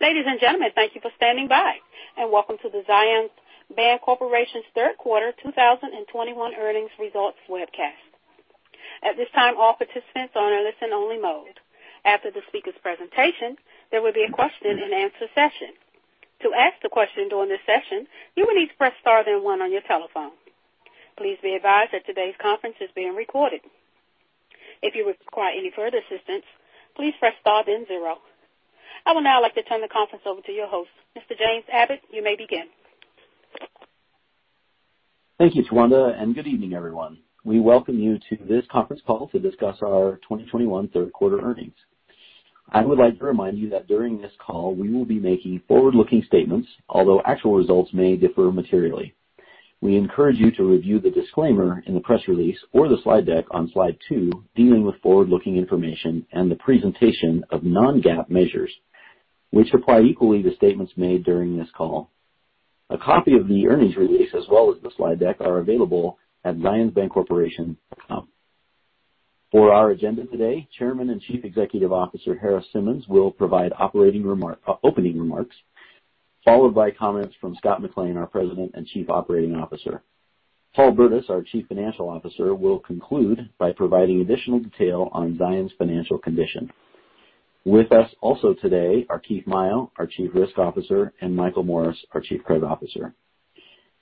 Ladies and gentlemen, thank you for standing by, and welcome to the Zions Bancorporation's third quarter 2021 earnings results webcast. At this time, all participants are on listen-only mode. After the speakers' presentation, there will be a question-and-answer session. To ask a question during the session, you may need to press star then one on your telephone. Please be advised that today's conference is being recorded. If you require any further assistance, please press star then zero. I would now like to turn the conference over to your host, Mr. James Abbott, you may begin. Thank you, Tawanda, and good evening, everyone. We welcome you to this conference call to discuss our 2021 third quarter earnings. I would like to remind you that during this call, we will be making forward-looking statements, although actual results may differ materially. We encourage you to review the disclaimer in the press release or the slide deck on slide two, dealing with non-GAAP measures, which apply equally to statements made during this call. A copy of the earnings release as well as the slide deck are available at zionsbancorporation.com. For our agenda today, Chairman and Chief Executive Officer Harris Simmons will provide opening remarks, followed by comments from Scott McLean, our President and Chief Operating Officer. Paul Burdiss, our Chief Financial Officer, will conclude by providing additional detail on Zions financial condition. With us also today are Keith Maio, our Chief Risk Officer, and Michael Morris, our Chief Credit Officer.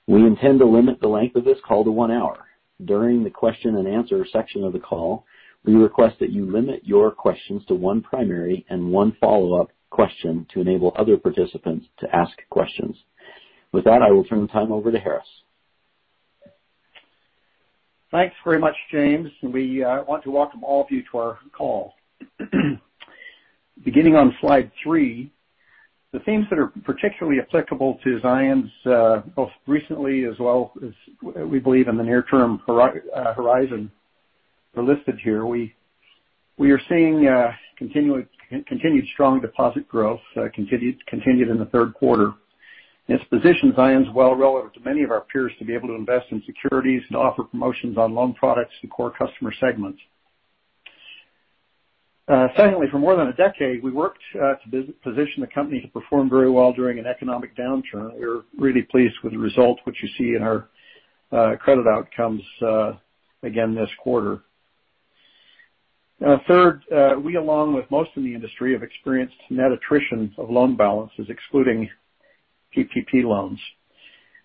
We intend to limit the length of this call to one hour. During the question-and-answer section of the call, we request that you limit your questions to one primary and one follow-up question to enable other participants to ask questions. With that, I will turn the time over to Harris. Thanks very much, James. We want to welcome all of you to our call. Beginning on slide three, the themes that are particularly applicable to Zions, both recently as well as we believe in the near-term horizon are listed here. We are seeing continued strong deposit growth continued in the third quarter. This positions Zions well relative to many of our peers to be able to invest in securities and offer promotions on loan products to core customer segments. Secondly, for more than a decade, we worked to position the company to perform very well during an economic downturn. We're really pleased with the results which you see in our credit outcomes again this quarter. Third, we along with most in the industry, have experienced net attrition of loan balances excluding PPP loans.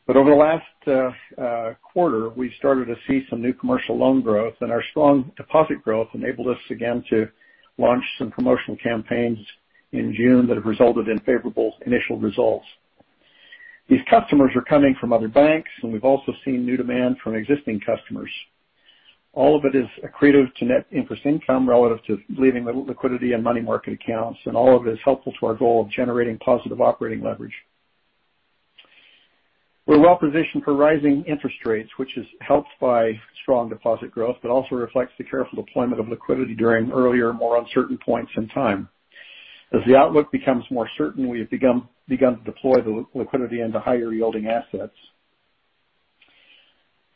Over the last quarter, we started to see some new commercial loan growth, and our strong deposit growth enabled us again to launch some promotional campaigns in June that have resulted in favorable initial results. These customers are coming from other banks, and we've also seen new demand from existing customers. All of it is accretive to net interest income relative to leaving the liquidity and money market accounts, and all of it is helpful to our goal of generating positive operating leverage. We're well positioned for rising interest rates, which is helped by strong deposit growth, but also reflects the careful deployment of liquidity during earlier, more uncertain points in time. As the outlook becomes more certain, we have begun to deploy the liquidity into higher yielding assets.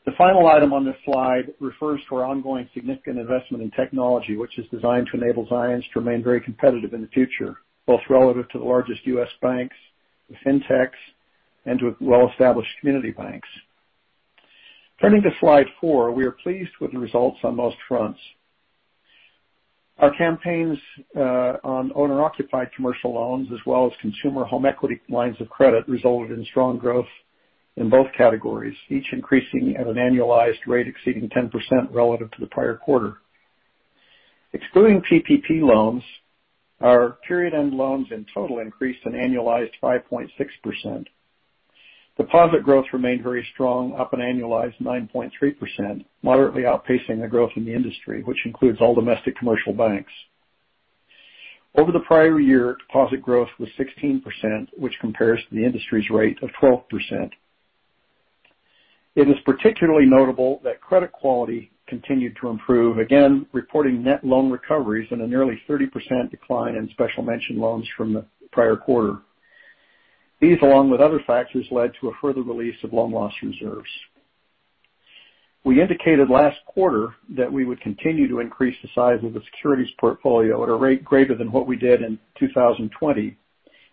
The final item on this slide refers to our ongoing significant investment in technology, which is designed to enable Zions to remain very competitive in the future, both relative to the largest U.S. banks, the fintechs, and to well-established community banks. Turning to slide four, we are pleased with the results on most fronts. Our campaigns on owner-occupied commercial loans as well as consumer home equity lines of credit resulted in strong growth in both categories, each increasing at an annualized rate exceeding 10% relative to the prior quarter. Excluding PPP loans, our period-end loans in total increased an annualized 5.6%. Deposit growth remained very strong, up an annualized 9.3%, moderately outpacing the growth in the industry, which includes all domestic commercial banks. Over the prior year, deposit growth was 16%, which compares to the industry's rate of 12%. It is particularly notable that credit quality continued to improve, again, reporting net loan recoveries and a nearly 30% decline in special mention loans from the prior quarter. These, along with other factors, led to a further release of loan loss reserves. We indicated last quarter that we would continue to increase the size of the securities portfolio at a rate greater than what we did in 2020,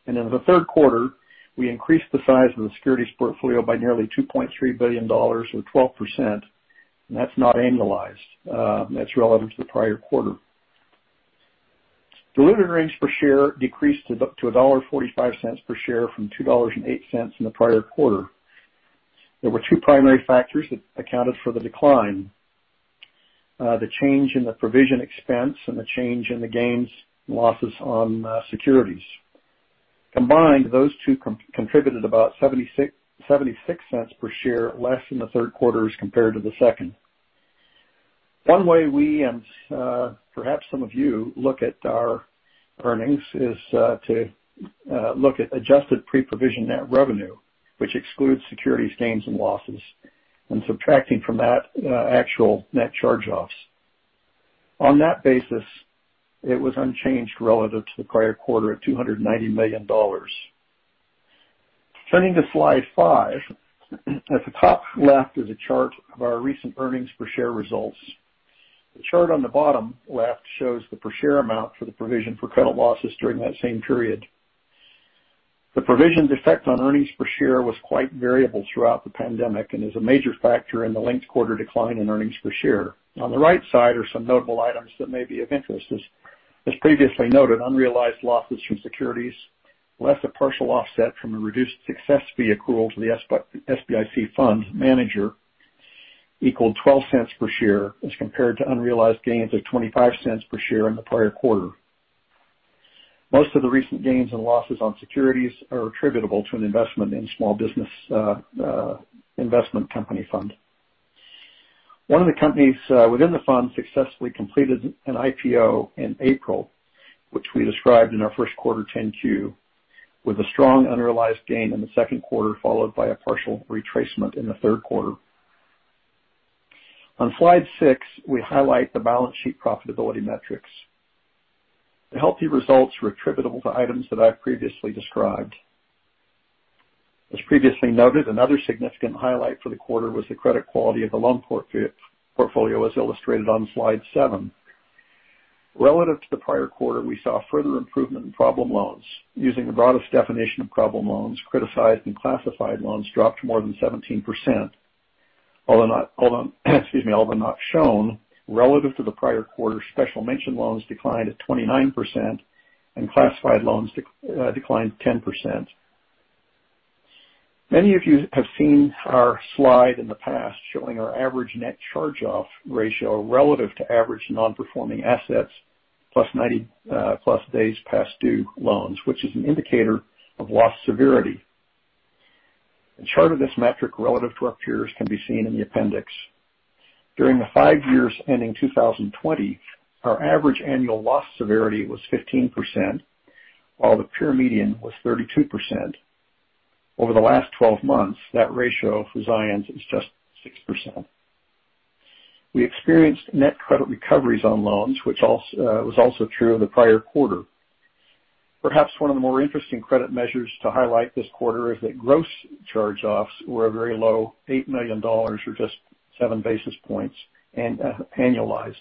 and in the third quarter, we increased the size of the securities portfolio by nearly $2.3 billion or 12%. That's not annualized, that's relative to the prior quarter. Diluted earnings per share decreased to $1.45 per share from $2.08 in the prior quarter. There were two primary factors that accounted for the decline. The change in the provision expense and the change in the gains and losses on securities. Combined, those two contributed about $0.76 per share less in the third quarter as compared to the second. One way we, and perhaps some of you look at our earnings is to look at adjusted pre-provision net revenue, which excludes securities gains and losses, and subtracting from that actual net charge-offs. On that basis, it was unchanged relative to the prior quarter at $290 million. Turning to slide five, at the top left is a chart of our recent earnings per share results. The chart on the bottom left shows the per share amount for the provision for credit losses during that same period. The provision's effect on earnings per share was quite variable throughout the pandemic and is a major factor in the linked quarter decline in earnings per share. On the right side are some notable items that may be of interest. As previously noted, unrealized losses from securities less a partial offset from a reduced success fee accrual to the SBIC fund manager equaled $0.12 per share as compared to unrealized gains of $0.25 per share in the prior quarter. Most of the recent gains and losses on securities are attributable to an investment in Small Business Investment Company fund. One of the companies within the fund successfully completed an IPO in April, which we described in our first quarter 10-Q, with a strong unrealized gain in the second quarter, followed by a partial retracement in the third quarter. On slide six, we highlight the balance sheet profitability metrics. The healthy results were attributable to items that I've previously described. As previously noted, another significant highlight for the quarter was the credit quality of the loan portfolio, as illustrated on slide seven. Relative to the prior quarter, we saw further improvement in problem loans. Using the broadest definition of problem loans, criticized and classified loans dropped more than 17%, although not shown, relative to the prior quarter, special mention loans declined at 29% and classified loans declined 10%. Many of you have seen our slide in the past showing our average net charge-off ratio relative to average non-performing assets, plus 90 plus days past due loans, which is an indicator of loss severity. A chart of this metric relative to our peers can be seen in the appendix. During the five years ending 2020, our average annual loss severity was 15%, while the peer median was 32%. Over the last 12 months, that ratio for Zions is just 6%. We experienced net credit recoveries on loans, which was also true of the prior quarter. Perhaps one of the more interesting credit measures to highlight this quarter is that gross charge-offs were a very low $8 million, or just 7 basis points annualized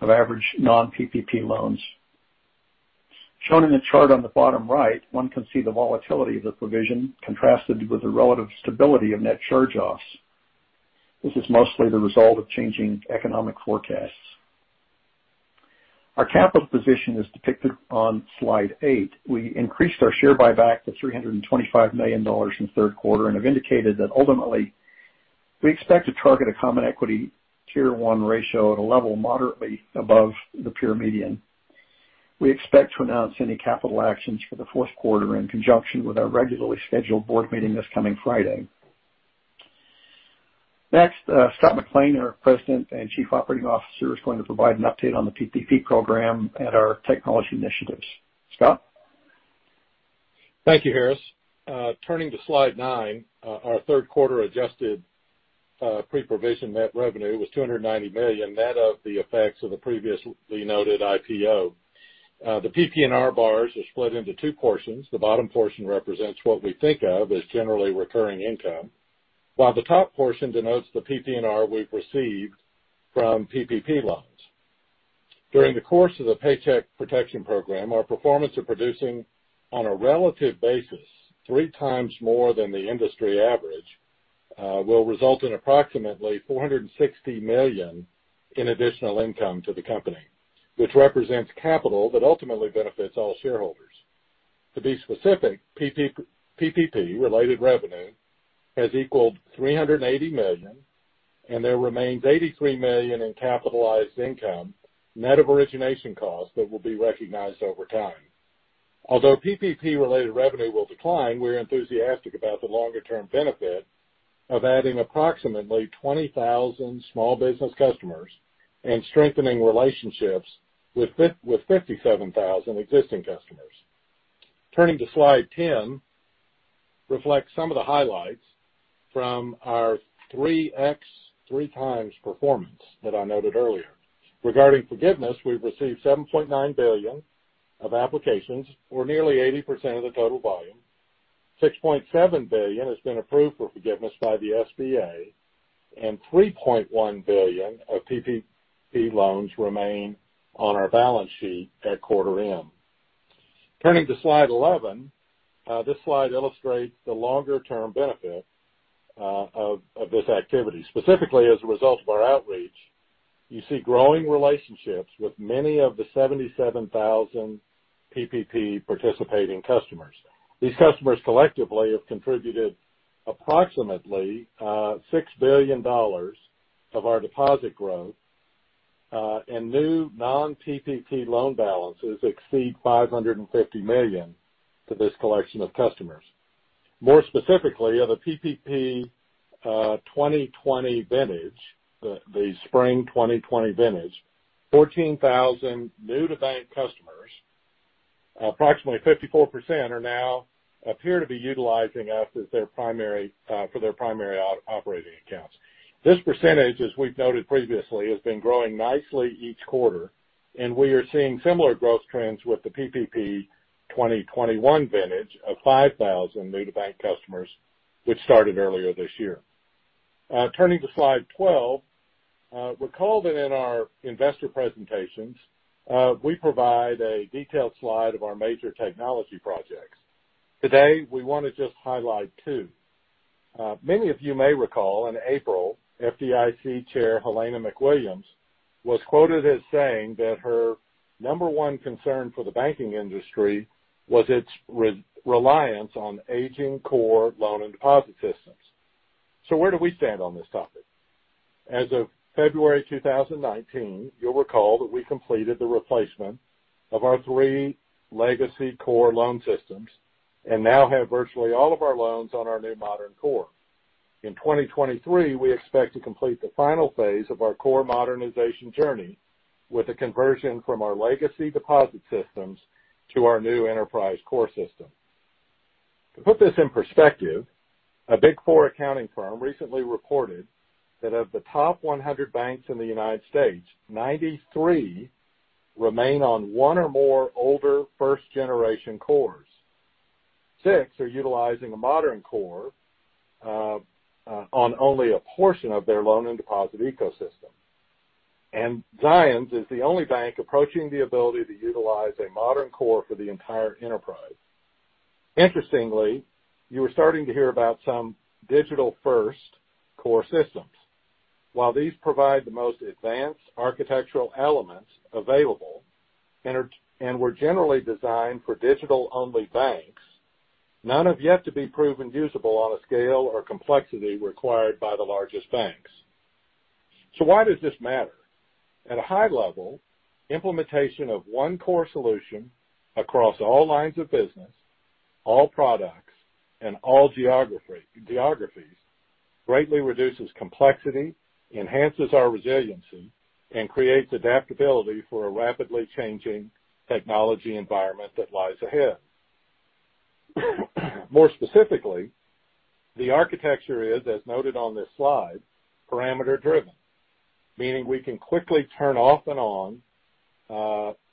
of average non-PPP loans. Shown in the chart on the bottom right, one can see the volatility of the provision contrasted with the relative stability of net charge-offs. This is mostly the result of changing economic forecasts. Our capital position is depicted on slide eight. We increased our share buyback to $325 million in the third quarter and have indicated that ultimately, we expect to target a Common Equity Tier 1 ratio at a level moderately above the peer median. We expect to announce any capital actions for the fourth quarter in conjunction with our regularly scheduled board meeting this coming Friday. Next, Scott McLean, our President and Chief Operating Officer, is going to provide an update on the PPP program and our technology initiatives. Scott? Thank you, Harris. Turning to slide nine, our third quarter adjusted pre-provision net revenue was $290 million, net of the effects of the previously noted IPO. The PPNR bars are split into two portions. The bottom portion represents what we think of as generally recurring income, while the top portion denotes the PPNR we've received from PPP loans. During the course of the Paycheck Protection Program, our performance of producing on a relative basis 3x more than the industry average will result in approximately $460 million in additional income to the company, which represents capital that ultimately benefits all shareholders. To be specific, PPP-related revenue has equaled $380 million, and there remains $83 million in capitalized income, net of origination costs, that will be recognized over time. Although PPP-related revenue will decline, we're enthusiastic about the longer-term benefit of adding approximately 20,000 small business customers and strengthening relationships with 57,000 existing customers. Turning to slide 10, reflects some of the highlights from our 3x performance that I noted earlier. Regarding forgiveness, we've received $7.9 billion of applications, or nearly 80% of the total volume. $6.7 billion has been approved for forgiveness by the SBA, and $3.1 billion of PPP loans remain on our balance sheet at quarter end. Turning to slide 11. This slide illustrates the longer-term benefit of this activity. Specifically, as a result of our outreach, you see growing relationships with many of the 77,000 PPP participating customers. These customers collectively have contributed approximately $6 billion of our deposit growth, and new non-PPP loan balances exceed $550 million to this collection of customers. More specifically, of the PPP 2020 vintage, the spring 2020 vintage, 14,000 new-to-bank customers, approximately 54%, appear to be utilizing us for their primary operating accounts. This percentage, as we've noted previously, has been growing nicely each quarter. We are seeing similar growth trends with the PPP 2021 vintage of 5,000 new to bank customers, which started earlier this year. Turning to slide 12, recall that in our investor presentations, we provide a detailed slide of our major technology projects. Today, we want to just highlight two. Many of you may recall in April, FDIC Chair Jelena McWilliams, was quoted as saying that her number one concern for the banking industry was its reliance on aging core loan and deposit systems. Where do we stand on this topic? As of February 2019, you'll recall that we completed the replacement of our three legacy core loan systems and now have virtually all of our loans on our new modern core. In 2023, we expect to complete the final phase of our core modernization journey with a conversion from our legacy deposit systems to our new enterprise core system. To put this in perspective, a Big Four accounting firm recently reported that of the top 100 banks in the United States, 93 remain on one or more older first-generation cores. Six are utilizing a modern core on only a portion of their loan and deposit ecosystem. Zions is the only bank approaching the ability to utilize a modern core for the entire enterprise. Interestingly, you are starting to hear about some digital first core systems. While these provide the most advanced architectural elements available, and were generally designed for digital only banks, none have yet to be proven usable on a scale or complexity required by the largest banks. Why does this matter? At a high level, implementation of one core solution across all lines of business, all products, and all geographies greatly reduces complexity, enhances our resiliency, and creates adaptability for a rapidly changing technology environment that lies ahead. More specifically, the architecture is, as noted on this slide, parameter driven, meaning we can quickly turn off and on,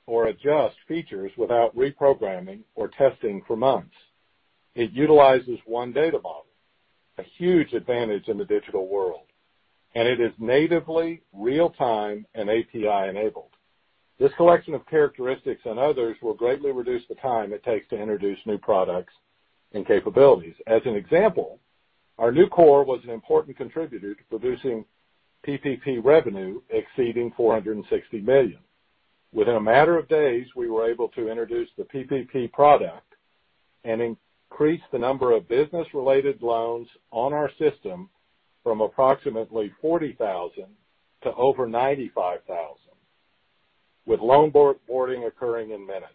or adjust features without reprogramming or testing for months. It utilizes one data model, a huge advantage in the digital world, and it is natively real-time and API enabled. This collection of characteristics and others will greatly reduce the time it takes to introduce new products and capabilities. As an example, our new core was an important contributor to producing PPP revenue exceeding $460 million. Within a matter of days, we were able to introduce the PPP product and increase the number of business-related loans on our system from approximately 40,000 to over 95,000, with loan boarding occurring in minutes.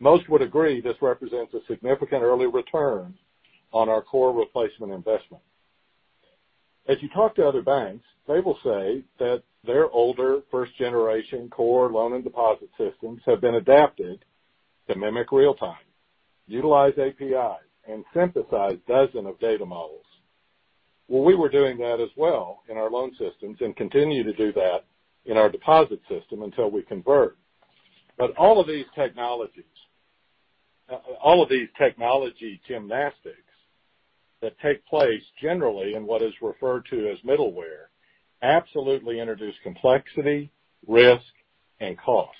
Most would agree this represents a significant early return on our core replacement investment. As you talk to other banks, they will say that their older first generation core loan and deposit systems have been adapted to mimic real time, utilize APIs, and synthesize dozens of data models. Well, we were doing that as well in our loan systems and continue to do that in our deposit system until we convert. All of these technology gymnastics that take place generally in what is referred to as middleware, absolutely introduce complexity, risk, and cost.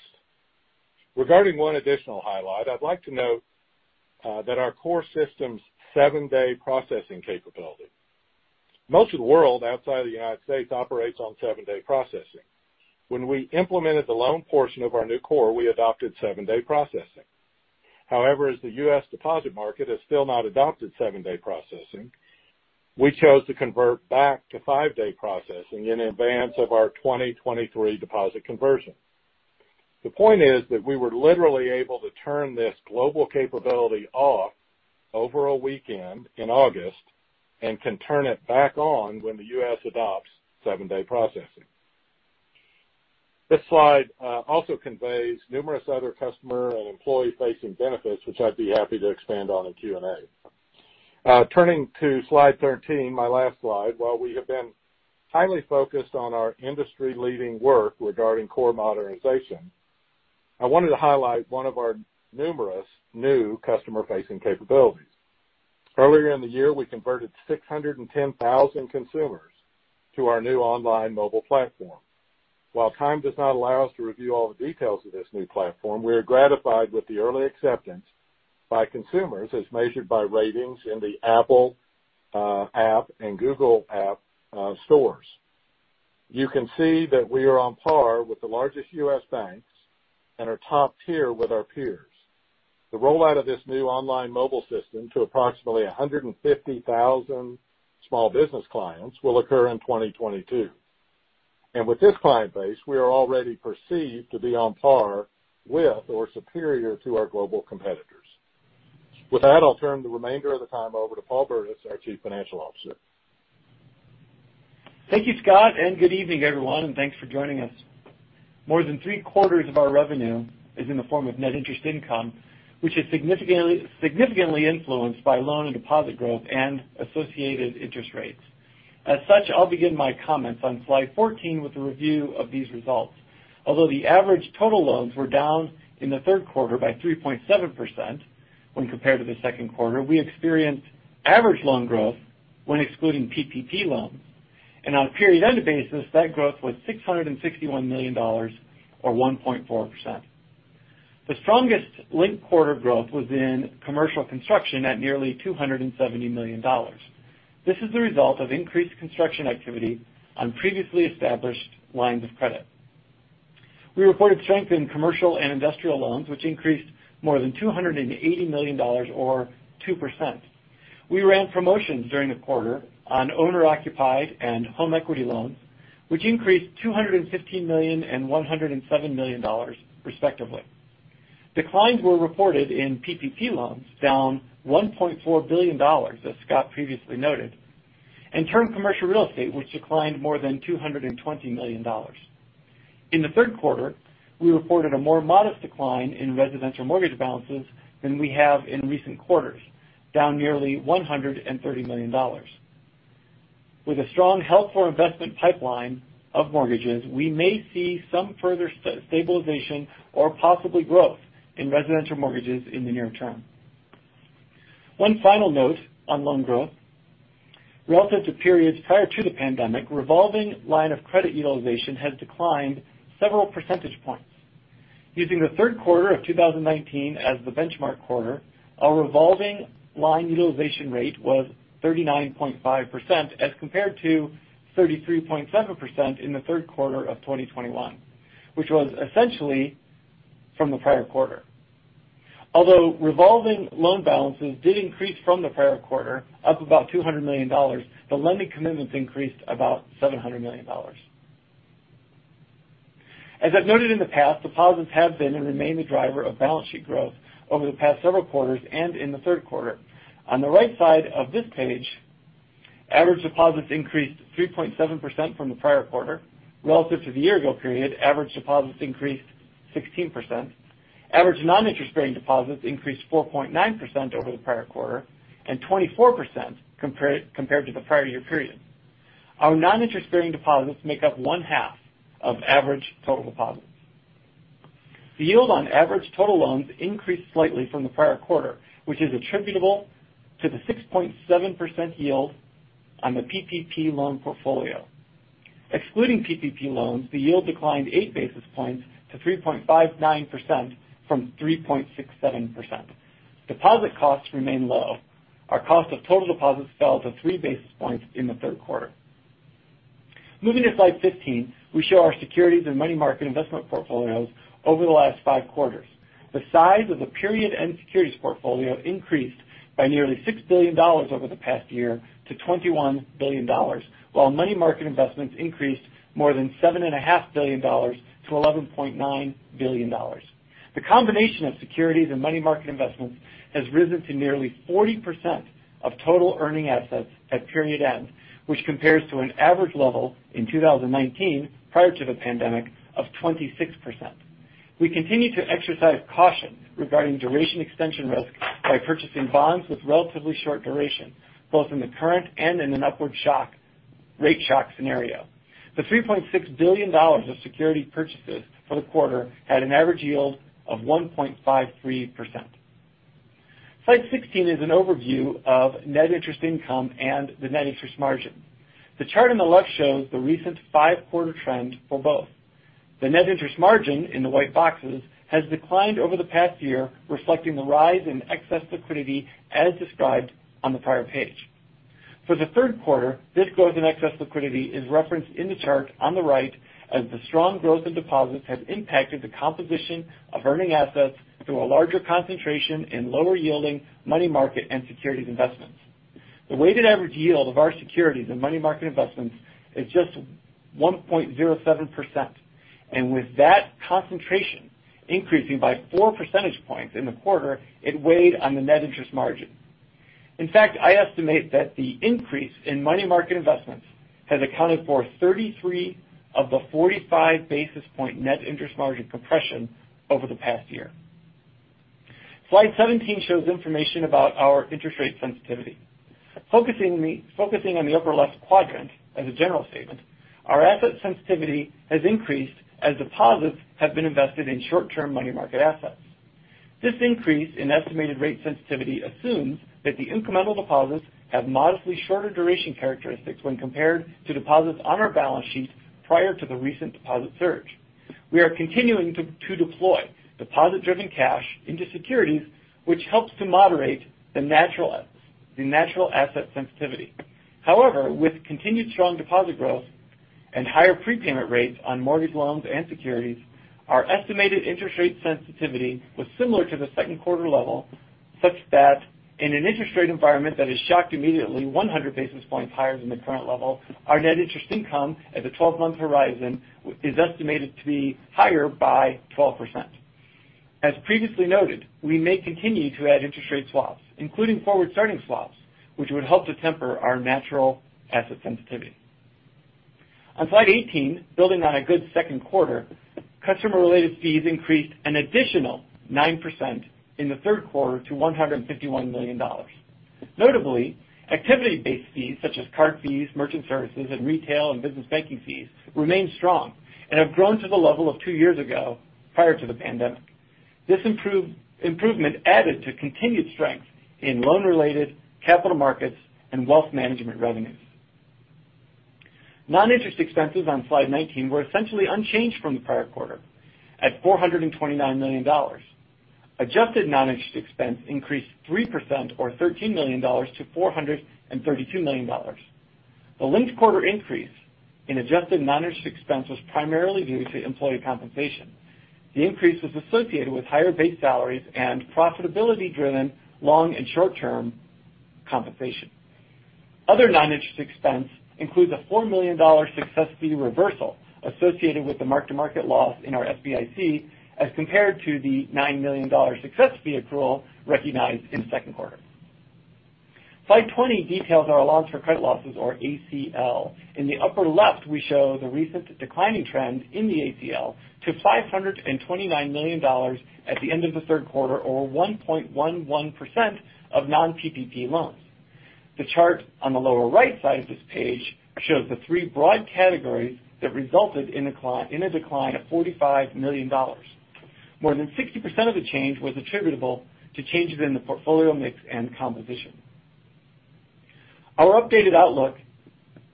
Regarding one additional highlight, I'd like to note that our core system's seven-day processing capability. Most of the world outside of the U.S. operates on seven-day processing. When we implemented the loan portion of our new core, we adopted seven-day processing. However, as the U.S. deposit market has still not adopted seven-day processing, we chose to convert back to five-day processing in advance of our 2023 deposit conversion. The point is that we were literally able to turn this global capability off over a weekend in August and can turn it back on when the U.S. adopts seven-day processing. This slide also conveys numerous other customer and employee facing benefits, which I'd be happy to expand on in Q&A. Turning to slide 13, my last slide. While we have been highly focused on our industry-leading work regarding core modernization, I wanted to highlight one of our numerous new customer facing capabilities. Earlier in the year, we converted 610,000 consumers to our new online mobile platform. While time does not allow us to review all the details of this new platform, we are gratified with the early acceptance by consumers as measured by ratings in the Apple App Store and Google Play Store. You can see that we are on par with the largest U.S. banks and are top-tier with our peers. The rollout of this new online mobile system to approximately 150,000 small business clients will occur in 2022. With this client base, we are already perceived to be on par with or superior to our global competitors. With that, I'll turn the remainder of the time over to Paul Burdiss, our Chief Financial Officer. Thank you, Scott, good evening, everyone, and thanks for joining us. More than three quarters of our revenue is in the form of net interest income, which is significantly influenced by loan and deposit growth and associated interest rates. As such, I'll begin my comments on slide 14 with a review of these results. Although the average total loans were down in the third quarter by 3.7% when compared to the second quarter, we experienced average loan growth when excluding PPP loans. On a period end basis, that growth was $661 million, or 1.4%. The strongest linked quarter growth was in commercial construction at nearly $270 million. This is the result of increased construction activity on previously established lines of credit. We reported strength in commercial and industrial loans, which increased more than $280 million, or 2%. We ran promotions during the quarter on owner-occupied and home equity loans, which increased $215 million and $107 million, respectively. Declines were reported in PPP loans, down $1.4 billion, as Scott previously noted, and term commercial real estate, which declined more than $220 million. In the third quarter, we reported a more modest decline in residential mortgage balances than we have in recent quarters, down nearly $130 million. With a strong helpful investment pipeline of mortgages, we may see some further stabilization or possibly growth in residential mortgages in the near term. One final note on loan growth. Relative to periods prior to the pandemic, revolving line of credit utilization has declined several percentage points. Using the third quarter of 2019 as the benchmark quarter, our revolving line utilization rate was 39.5%, as compared to 33.7% in the third quarter of 2021, which was essentially from the prior quarter. Although revolving loan balances did increase from the prior quarter, up about $200 million, the lending commitments increased about $700 million. As I've noted in the past, deposits have been and remain the driver of balance sheet growth over the past several quarters and in the third quarter. On the right side of this page, average deposits increased 3.7% from the prior quarter. Relative to the year-ago period, average deposits increased 16%. Average non-interest-bearing deposits increased 4.9% over the prior quarter and 24% compared to the prior year period. Our non-interest-bearing deposits make up one-half of average total deposits. The yield on average total loans increased slightly from the prior quarter, which is attributable to the 6.7% yield on the PPP loan portfolio. Excluding PPP loans, the yield declined 8 basis points to 3.59% from 3.67%. Deposit costs remain low. Our cost of total deposits fell to 3 basis points in the third quarter. Moving to slide 15, we show our securities and money market investment portfolios over the last five quarters. The size of the period end securities portfolio increased by nearly $6 billion over the past year to $21 billion, while money market investments increased more than $7.5 billion to $11.9 billion. The combination of securities and money market investments has risen to nearly 40% of total earning assets at period end, which compares to an average level in 2019, prior to the pandemic, of 26%. We continue to exercise caution regarding duration extension risk by purchasing bonds with relatively short duration, both in the current and in an upward rate shock scenario. The $3.6 billion of security purchases for the quarter had an average yield of 1.53%. Slide 16 is an overview of net interest income and the net interest margin. The chart on the left shows the recent five-quarter trend for both. The net interest margin, in the white boxes, has declined over the past year, reflecting the rise in excess liquidity as described on the prior page. For the third quarter, this growth in excess liquidity is referenced in the chart on the right as the strong growth of deposits has impacted the composition of earning assets through a larger concentration in lower yielding money market and securities investments. The weighted average yield of our securities and money market investments is just 1.07%, and with that concentration increasing by four percentage points in the quarter, it weighed on the net interest margin. In fact, I estimate that the increase in money market investments has accounted for 33 of the 45 basis point net interest margin compression over the past year. Slide 17 shows information about our interest rate sensitivity. Focusing on the upper left quadrant as a general statement, our asset sensitivity has increased as deposits have been invested in short-term money market assets. This increase in estimated rate sensitivity assumes that the incremental deposits have modestly shorter duration characteristics when compared to deposits on our balance sheet prior to the recent deposit surge. We are continuing to deploy deposit-driven cash into securities, which helps to moderate the natural asset sensitivity. However, with continued strong deposit growth and higher prepayment rates on mortgage loans and securities, our estimated interest rate sensitivity was similar to the second quarter level, such that in an interest rate environment that is shocked immediately 100 basis points higher than the current level, our net interest income at the 12-month horizon is estimated to be higher by 12%. As previously noted, we may continue to add interest rate swaps, including forward-starting swaps, which would help to temper our natural asset sensitivity. On slide 18, building on a good second quarter, customer-related fees increased an additional 9% in the third quarter to $151 million. Notably, activity-based fees such as card fees, merchant services, and retail and business banking fees remain strong and have grown to the level of two years ago, prior to the pandemic. This improvement added to continued strength in loan-related capital markets and wealth management revenues. Non-interest expenses on slide 19 were essentially unchanged from the prior quarter at $429 million. Adjusted non-interest expense increased 3% or $13 million to $432 million. The linked quarter increase in adjusted non-interest expense was primarily due to employee compensation. The increase was associated with higher base salaries and profitability-driven long and short-term compensation. Other non-interest expense includes a $4 million success fee reversal associated with the mark-to-market loss in our SBIC, as compared to the $9 million success fee accrual recognized in the second quarter. Slide 20 details our allowance for credit losses or ACL. In the upper left, we show the recent declining trend in the ACL to $529 million at the end of the third quarter or 1.11% of non-PPP loans. The chart on the lower right side of this page shows the three broad categories that resulted in a decline of $45 million. More than 60% of the change was attributable to changes in the portfolio mix and composition. Our updated outlook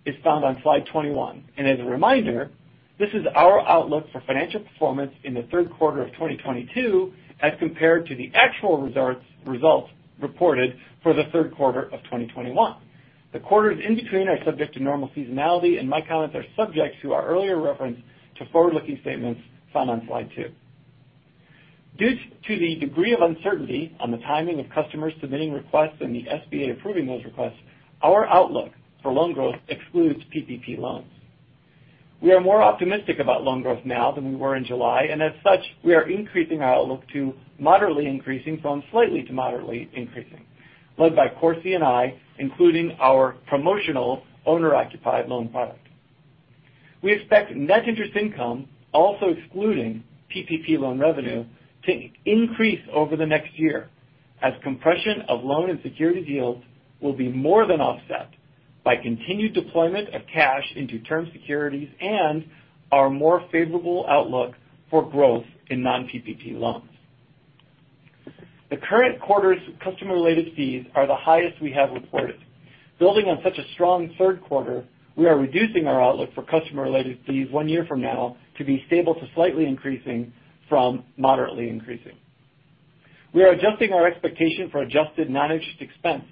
is found on slide 21. As a reminder, this is our outlook for financial performance in the third quarter of 2022 as compared to the actual results reported for the third quarter of 2021. The quarters in between are subject to normal seasonality. My comments are subject to our earlier reference to forward-looking statements found on slide two. Due to the degree of uncertainty on the timing of customers submitting requests and the SBA approving those requests, our outlook for loan growth excludes PPP loans. We are more optimistic about loan growth now than we were in July. As such, we are increasing our outlook to moderately increasing from slightly to moderately increasing, led by C&I, including our promotional owner-occupied loan product. We expect net interest income, also excluding PPP loan revenue, to increase over the next year as compression of loan and security deals will be more than offset by continued deployment of cash into term securities and our more favorable outlook for growth in non-PPP loans. The current quarter's customer-related fees are the highest we have reported. Building on such a strong third quarter, we are reducing our outlook for customer-related fees one year from now to be stable to slightly increasing from moderately increasing. We are adjusting our expectation for adjusted non-interest expense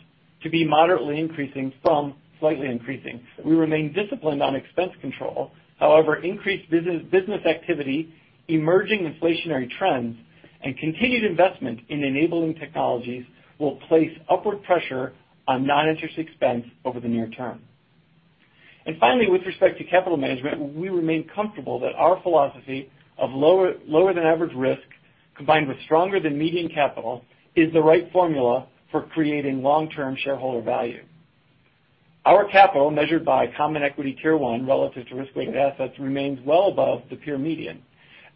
to be moderately increasing from slightly increasing. We remain disciplined on expense control. However, increased business activity, emerging inflationary trends, and continued investment in enabling technologies will place upward pressure on non-interest expense over the near term. Finally, with respect to capital management, we remain comfortable that our philosophy of lower-than-average risk, combined with stronger than median capital, is the right formula for creating long-term shareholder value. Our capital, measured by common equity Tier 1 relative to risk-weighted assets, remains well above the peer median.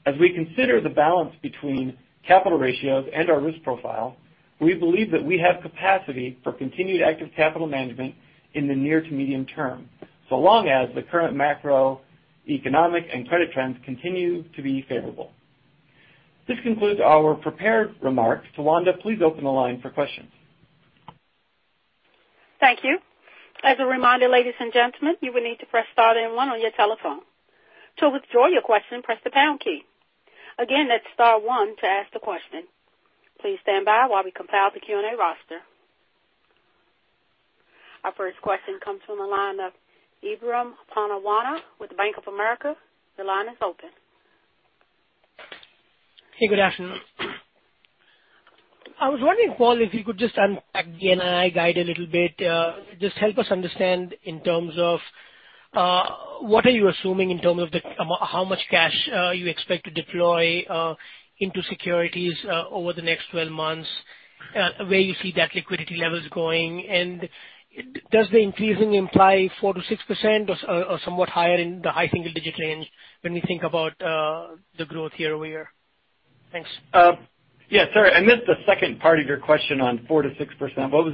As we consider the balance between capital ratios and our risk profile, we believe that we have capacity for continued active capital management in the near to medium term, so long as the current macroeconomic and credit trends continue to be favorable. This concludes our prepared remarks. Tawanda, please open the line for questions. Thank you. As a reminder, ladies and gentlemen, you will need to press star then one on your telephone. To withdraw your question, press the pound key. Again, that's star one to ask the question. Please stand by while we compile the Q&A roster. Our first question comes from the line of Ebrahim Poonawala with Bank of America. Your line is open. Hey, good afternoon. I was wondering, Paul, if you could just unpack the NII guide a little bit. Just help us understand in terms of what are you assuming in terms of how much cash you expect to deploy into securities over the next 12 months, where you see that liquidity levels going, and does the increasing imply 4%-6% or somewhat higher in the high single-digit range when we think about the growth year-over-year? Thanks. Yeah. Sorry, I missed the second part of your question on 4%-6%. What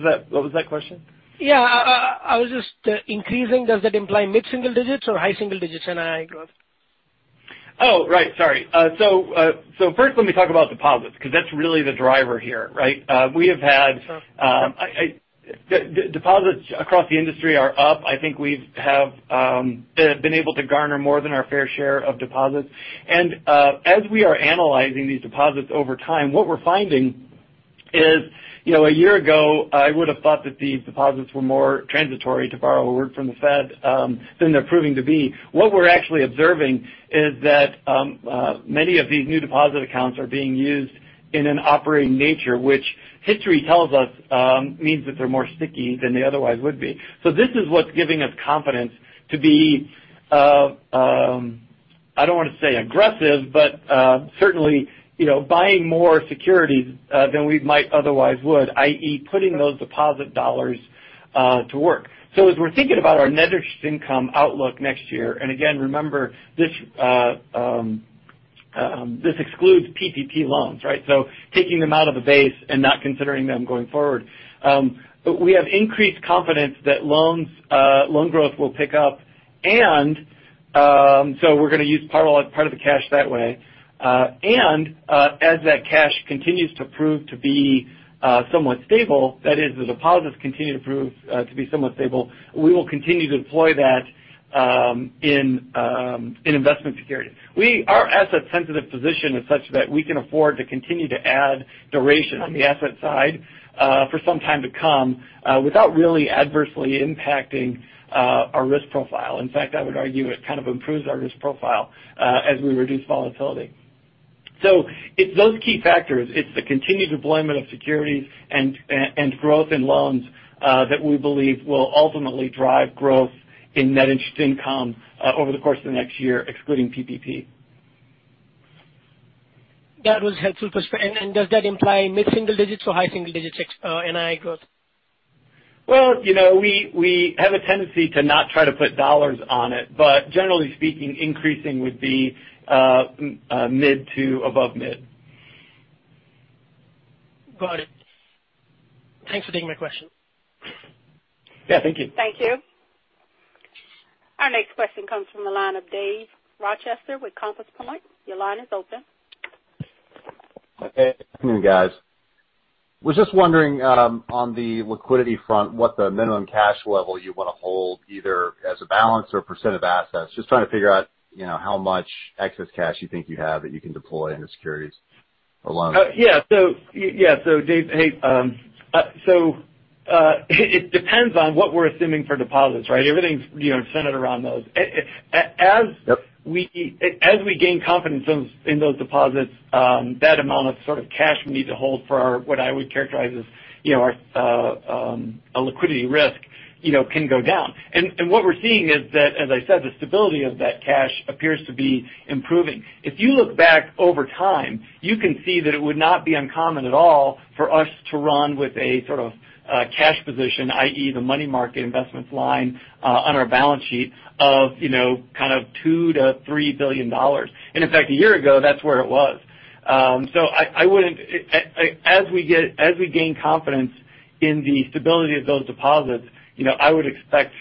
was that question? Increasing, does that imply mid-single digits or high single digits NII growth? Oh, right. Sorry. First let me talk about deposits because that's really the driver here, right? Sure. Deposits across the industry are up. I think we have been able to garner more than our fair share of deposits. As we are analyzing these deposits over time, what we're finding is a year ago, I would have thought that these deposits were more transitory, to borrow a word from the Fed, than they're proving to be. What we're actually observing is that many of these new deposit accounts are being used in an operating nature, which history tells us means that they're more sticky than they otherwise would be. This is what's giving us confidence to be, I don't want to say aggressive, but certainly buying more securities than we might otherwise would, i.e., putting those deposit dollars to work. As we're thinking about our net interest income outlook next year, and again, remember, this excludes PPP loans, right? Taking them out of the base and not considering them going forward. We have increased confidence that loan growth will pick up. We're going to use part of the cash that way. As that cash continues to prove to be somewhat stable, that is, the deposits continue to prove to be somewhat stable, we will continue to deploy that in investment securities. Our asset sensitive position is such that we can afford to continue to add duration on the asset side for some time to come without really adversely impacting our risk profile. In fact, I would argue it kind of improves our risk profile as we reduce volatility. It's those key factors. It's the continued deployment of securities and growth in loans that we believe will ultimately drive growth in net interest income over the course of the next year, excluding PPP. That was helpful. Does that imply mid-single digits or high single-digit NII growth? Well, we have a tendency to not try to put dollars on it, but generally speaking, increasing would be mid to above mid. Got it. Thanks for taking my question. Yeah, thank you. Thank you. Our next question comes from the line of Dave Rochester with Compass Point. Your line is open. Hey, good afternoon, guys. Was just wondering on the liquidity front, what the minimum cash level you want to hold, either as a balance or percent of assets? Just trying to figure out how much excess cash you think you have that you can deploy into securities or loans. Yeah. Dave, hey, it depends on what we're assuming for deposits, right? Everything's centered around those. Yep. As we gain confidence in those deposits, that amount of sort of cash we need to hold for what I would characterize as our liquidity risk can go down. What we're seeing is that, as I said, the stability of that cash appears to be improving. If you look back over time, you can see that it would not be uncommon at all for us to run with a sort of cash position, i.e., the money market investments line on our balance sheet of kind of $2 billion-$3 billion. In fact, a year ago, that's where it was. As we gain confidence in the stability of those deposits, I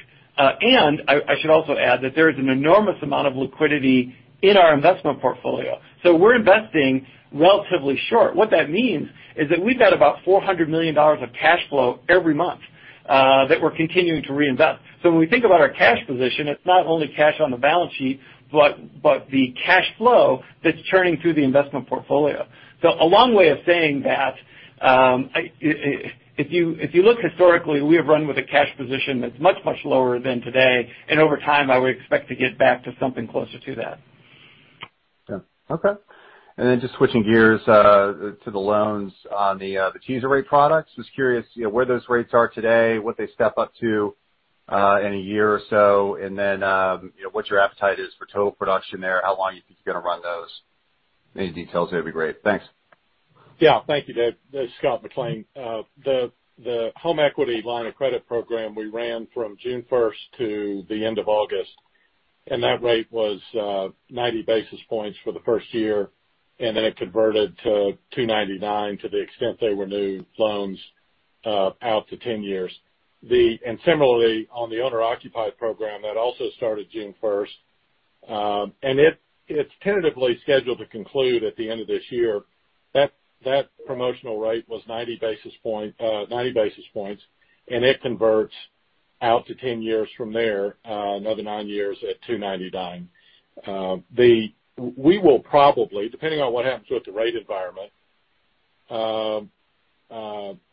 should also add that there is an enormous amount of liquidity in our investment portfolio. We're investing relatively short. What that means is that we've got about $400 million of cash flow every month that we're continuing to reinvest. When we think about our cash position, it's not only cash on the balance sheet, but the cash flow that's churning through the investment portfolio. A long way of saying that, if you look historically, we have run with a cash position that's much, much lower than today, and over time, I would expect to get back to something closer to that. Yeah. Okay. Just switching gears to the loans on the teaser rate products. Just curious where those rates are today, what they step up to in a year or so, what your appetite is for total production there, how long you think you're going to run those. Any details there would be great. Thanks. Yeah. Thank you, Dave. This is Scott McLean. The home equity line of credit program we ran from June 1st to the end of August, and that rate was 90 basis points for the first year, and then it converted to 299, to the extent they renewed loans out to 10 years. Similarly, on the owner-occupied program, that also started June 1st. It's tentatively scheduled to conclude at the end of this year. That promotional rate was 90 basis points, and it converts out to 10 years from there, another nine years at 299. We will probably, depending on what happens with the rate environment,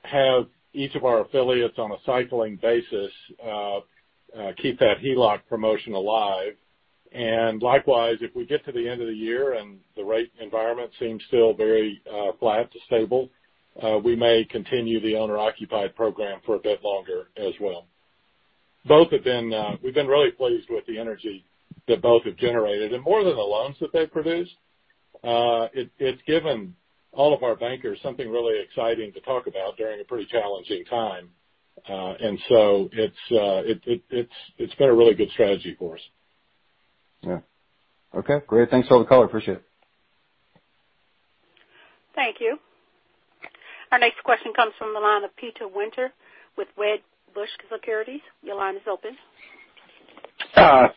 have each of our affiliates on a cycling basis keep that HELOC promotion alive. Likewise, if we get to the end of the year and the rate environment seems still very flat to stable, we may continue the owner-occupied program for a bit longer as well. We've been really pleased with the energy that both have generated. More than the loans that they produce, it's given all of our bankers something really exciting to talk about during a pretty challenging time. It's been a really good strategy for us. Yeah. Okay, great. Thanks for all the color. Appreciate it. Thank you. Our next question comes from the line of Peter Winter with Wedbush Securities. Your line is open.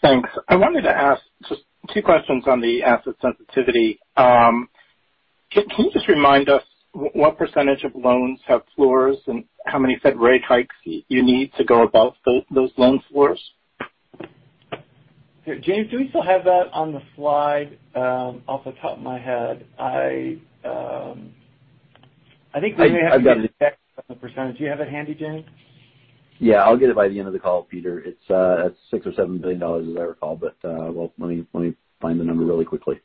Thanks. I wanted to ask just two questions on the asset sensitivity. Can you just remind us what percentage of loans have floors and how many Fed rate hikes you need to go above those loan floors? James, do we still have that on the slide? Off the top of my head, I think we may have to check on the percentage. Do you have it handy, James? Yeah, I'll get it by the end of the call, Peter. It's at $6 or $7 billion, as I recall. Let me find the number really quickly.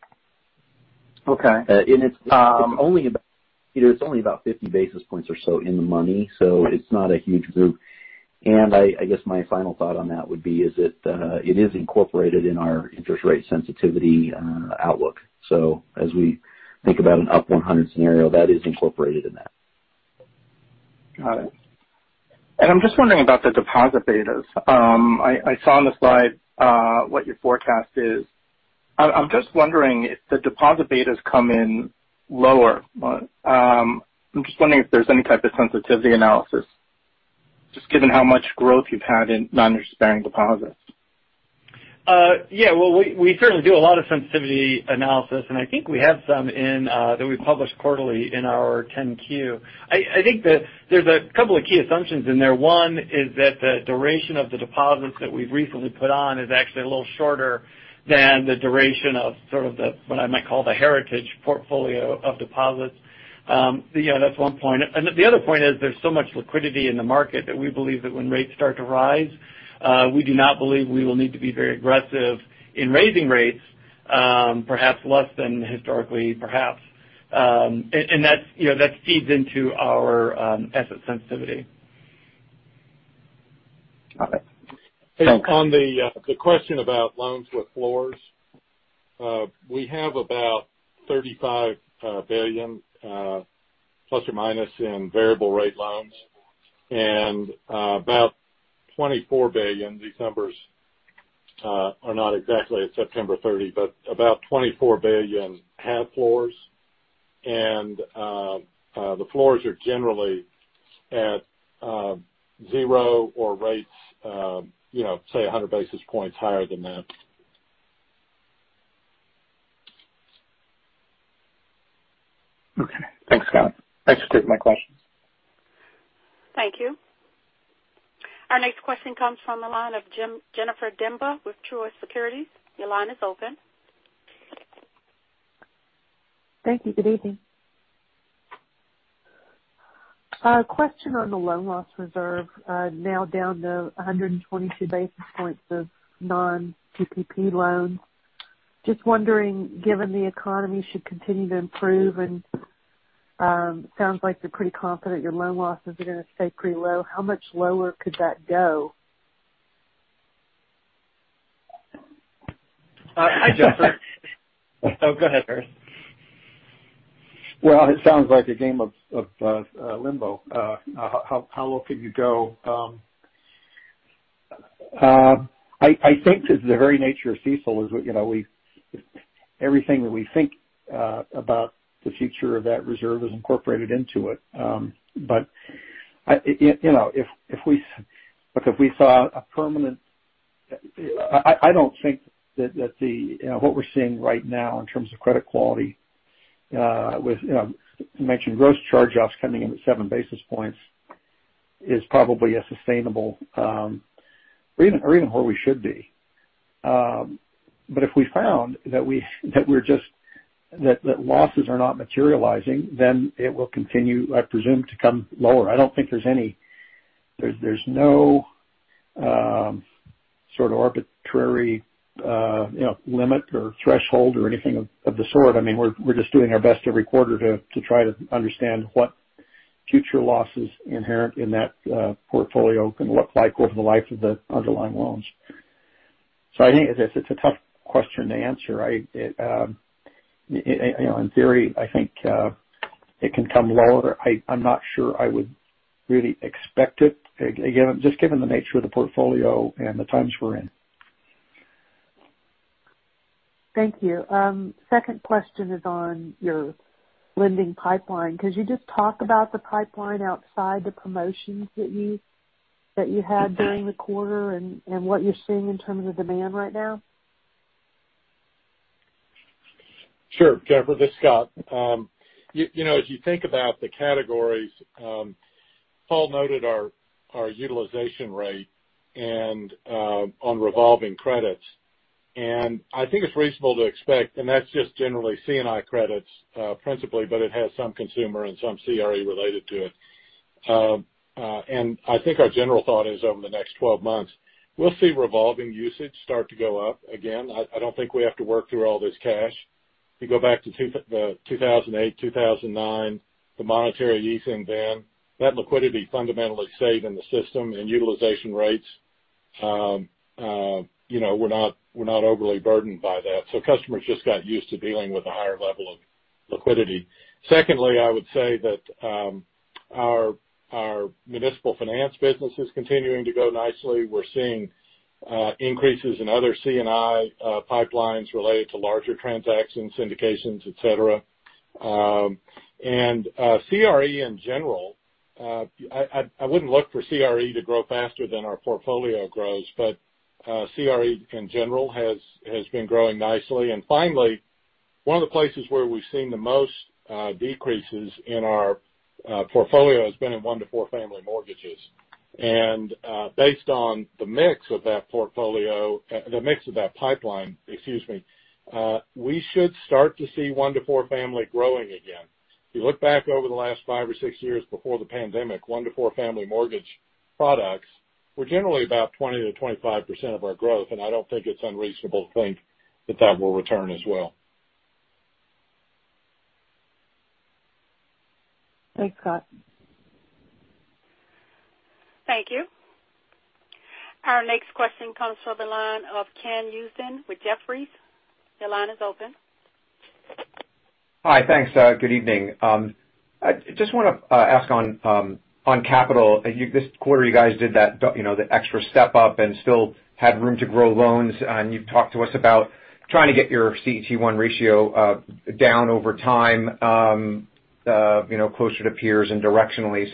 Okay. It's only about 50 basis points or so in the money, so it's not a huge group. I guess my final thought on that would be is that it is incorporated in our interest rate sensitivity outlook. As we think about an up 100 scenario, that is incorporated in that. Got it. I'm just wondering about the deposit betas. I saw on the slide what your forecast is. I'm just wondering if the deposit betas come in lower. I'm just wondering if there's any type of sensitivity analysis, just given how much growth you've had in non-interest bearing deposits. Yeah. Well, we certainly do a lot of sensitivity analysis, and I think we have some that we publish quarterly in our 10-Q. I think that there's a couple of key assumptions in there. One is that the duration of the deposits that we've recently put on is actually a little shorter than the duration of what I might call the heritage portfolio of deposits. That's one point. The other point is there's so much liquidity in the market that we believe that when rates start to rise, we do not believe we will need to be very aggressive in raising rates, perhaps less than historically, perhaps. That feeds into our asset sensitivity. Got it. On the question about loans with floors, we have about $35 billion±, in variable rate loans and about $24 billion. These numbers are not exactly at September 30, but about $24 billion have floors, and the floors are generally at zero or rates, say, 100 basis points higher than that. Okay. Thanks, Scott. Thanks for taking my questions. Thank you. Our next question comes from the line of Jennifer Demba with Truist Securities. Your line is open. Thank you. Good evening. A question on the loan loss reserve now down to 122 basis points of non-PPP loans. Just wondering, given the economy should continue to improve and sounds like you're pretty confident your loan losses are going to stay pretty low, how much lower could that go? Hi, Jennifer. Oh, go ahead, Harris. It sounds like a game of limbo. How low can you go? I think the very nature of CECL is everything that we think about the future of that reserve is incorporated into it. I don't think that what we're seeing right now in terms of credit quality with, you mentioned gross charge-offs coming in at 7 basis points is probably a sustainable or even where we should be. If we found that losses are not materializing, then it will continue, I presume, to come lower. I don't think there's any sort of arbitrary limit or threshold or anything of the sort. We're just doing our best every quarter to try to understand what future losses inherent in that portfolio can look like over the life of the underlying loans. I think it's a tough question to answer. In theory, I think it can come lower. I'm not sure I would really expect it, again, just given the nature of the portfolio and the times we're in. Thank you. Second question is on your lending pipeline. Could you just talk about the pipeline outside the promotions that you had during the quarter and what you're seeing in terms of demand right now? Sure, Jennifer. This is Scott. You think about the categories, Paul noted our utilization rate on revolving credits. I think it's reasonable to expect, and that's just generally C&I credits, principally, but it has some consumer and some CRE related to it. I think our general thought is over the next 12 months, we'll see revolving usage start to go up again. I don't think we have to work through all this cash. If you go back to 2008, 2009, the monetary easing then, that liquidity fundamentally stayed in the system and utilization rates, we're not overly burdened by that. Customers just got used to dealing with a higher level of liquidity. Secondly, I would say that our municipal finance business is continuing to go nicely. We're seeing increases in other C&I pipelines related to larger transactions, syndications, et cetera. CRE in general, I wouldn't look for CRE to grow faster than our portfolio grows, but CRE in general has been growing nicely. Finally, one of the places where we've seen the most decreases in our portfolio has been in one to four family mortgages. Based on the mix of that pipeline, we should start to see one to four family growing again. If you look back over the last five or six years before the pandemic, one to four family mortgage products were generally about 20%-25% of our growth. I don't think it's unreasonable to think that that will return as well. Thanks, Scott. Thank you. Our next question comes from the line of Ken Usdin with Jefferies. Your line is open. Hi. Thanks. Good evening. I just want to ask on capital. This quarter, you guys did that extra step up and still had room to grow loans. You've talked to us about trying to get your CET1 ratio down over time, closer to peers and directionally.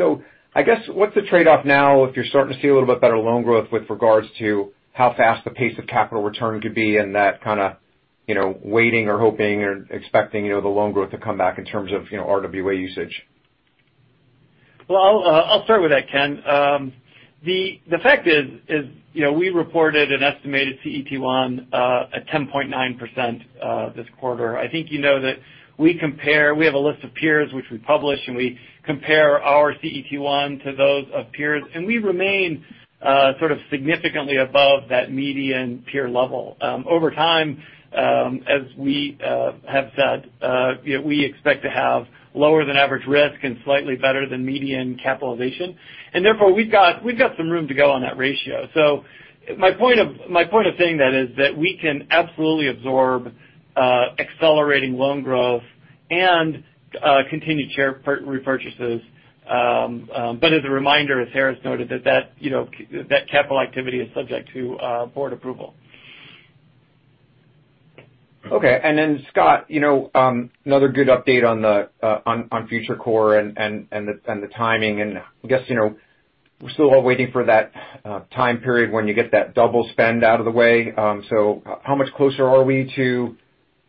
I guess, what's the trade-off now if you're starting to see a little bit better loan growth with regards to how fast the pace of capital return could be and that kind of waiting or hoping or expecting the loan growth to come back in terms of RWA usage? I'll start with that, Ken. The fact is we reported an estimated CET1 at 10.9% this quarter. I think you know that we have a list of peers which we publish, and we compare our CET1 to those of peers, and we remain sort of significantly above that median peer level. Over time, as we have said, we expect to have lower than average risk and slightly better than median capitalization. Therefore, we've got some room to go on that ratio. My point of saying that is that we can absolutely absorb accelerating loan growth and continued share repurchases. As a reminder, as Harris noted, that capital activity is subject to board approval. Okay. Scott, another good update on FutureCore and the timing, I guess we're still all waiting for that time period when you get that double spend out of the way. How much closer are we to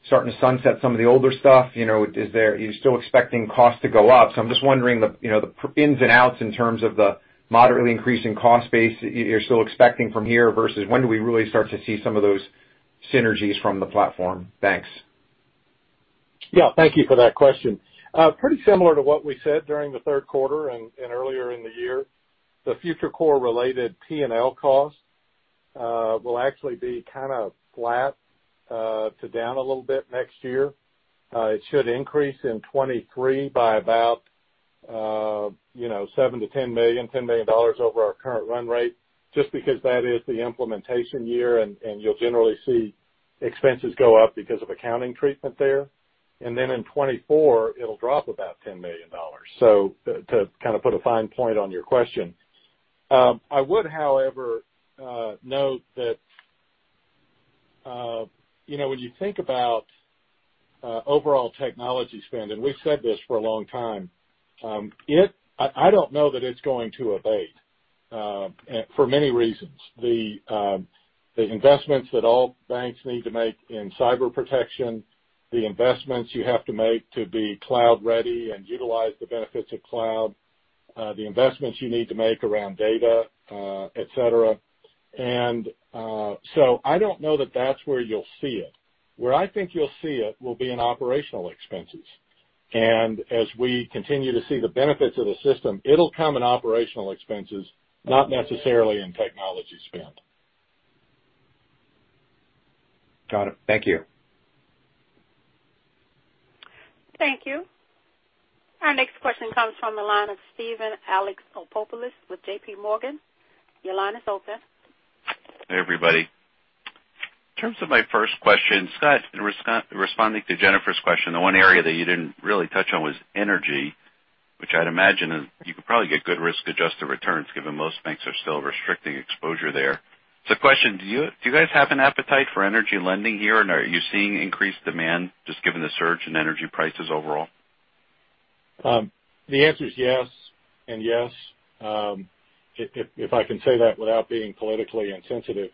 starting to sunset some of the older stuff? Are you still expecting cost to go up? I'm just wondering the ins and outs in terms of the moderately increasing cost base you're still expecting from here versus when do we really start to see some of those synergies from the platform. Thanks. Thank you for that question. Pretty similar to what we said during the third quarter and earlier in the year. The FutureCore related P&L cost will actually be kind of flat to down a little bit next year. It should increase in 2023 by about $7 million-$10 million over our current run rate just because that is the implementation year, and you'll generally see expenses go up because of accounting treatment there. Then in 2024, it'll drop about $10 million. To kind of put a fine point on your question. I would, however, note that when you think about overall technology spend, and we've said this for a long time, I don't know that it's going to abate for many reasons. The investments that all banks need to make in cyber protection, the investments you have to make to be cloud ready and utilize the benefits of cloud, the investments you need to make around data, et cetera. I don't know that that's where you'll see it. Where I think you'll see it will be in operational expenses. As we continue to see the benefits of the system, it'll come in operational expenses, not necessarily in technology spend. Got it. Thank you. Thank you. Our next question comes from the line of Steven Alexopoulos with JPMorgan. Your line is open. Hey, everybody. In terms of my first question, Scott, responding to Jennifer's question, the one area that you didn't really touch on was energy, which I'd imagine you could probably get good risk-adjusted returns given most banks are still restricting exposure there. Question, do you guys have an appetite for energy lending here, and are you seeing increased demand just given the surge in energy prices overall? The answer is yes and yes, if I can say that without being politically insensitive.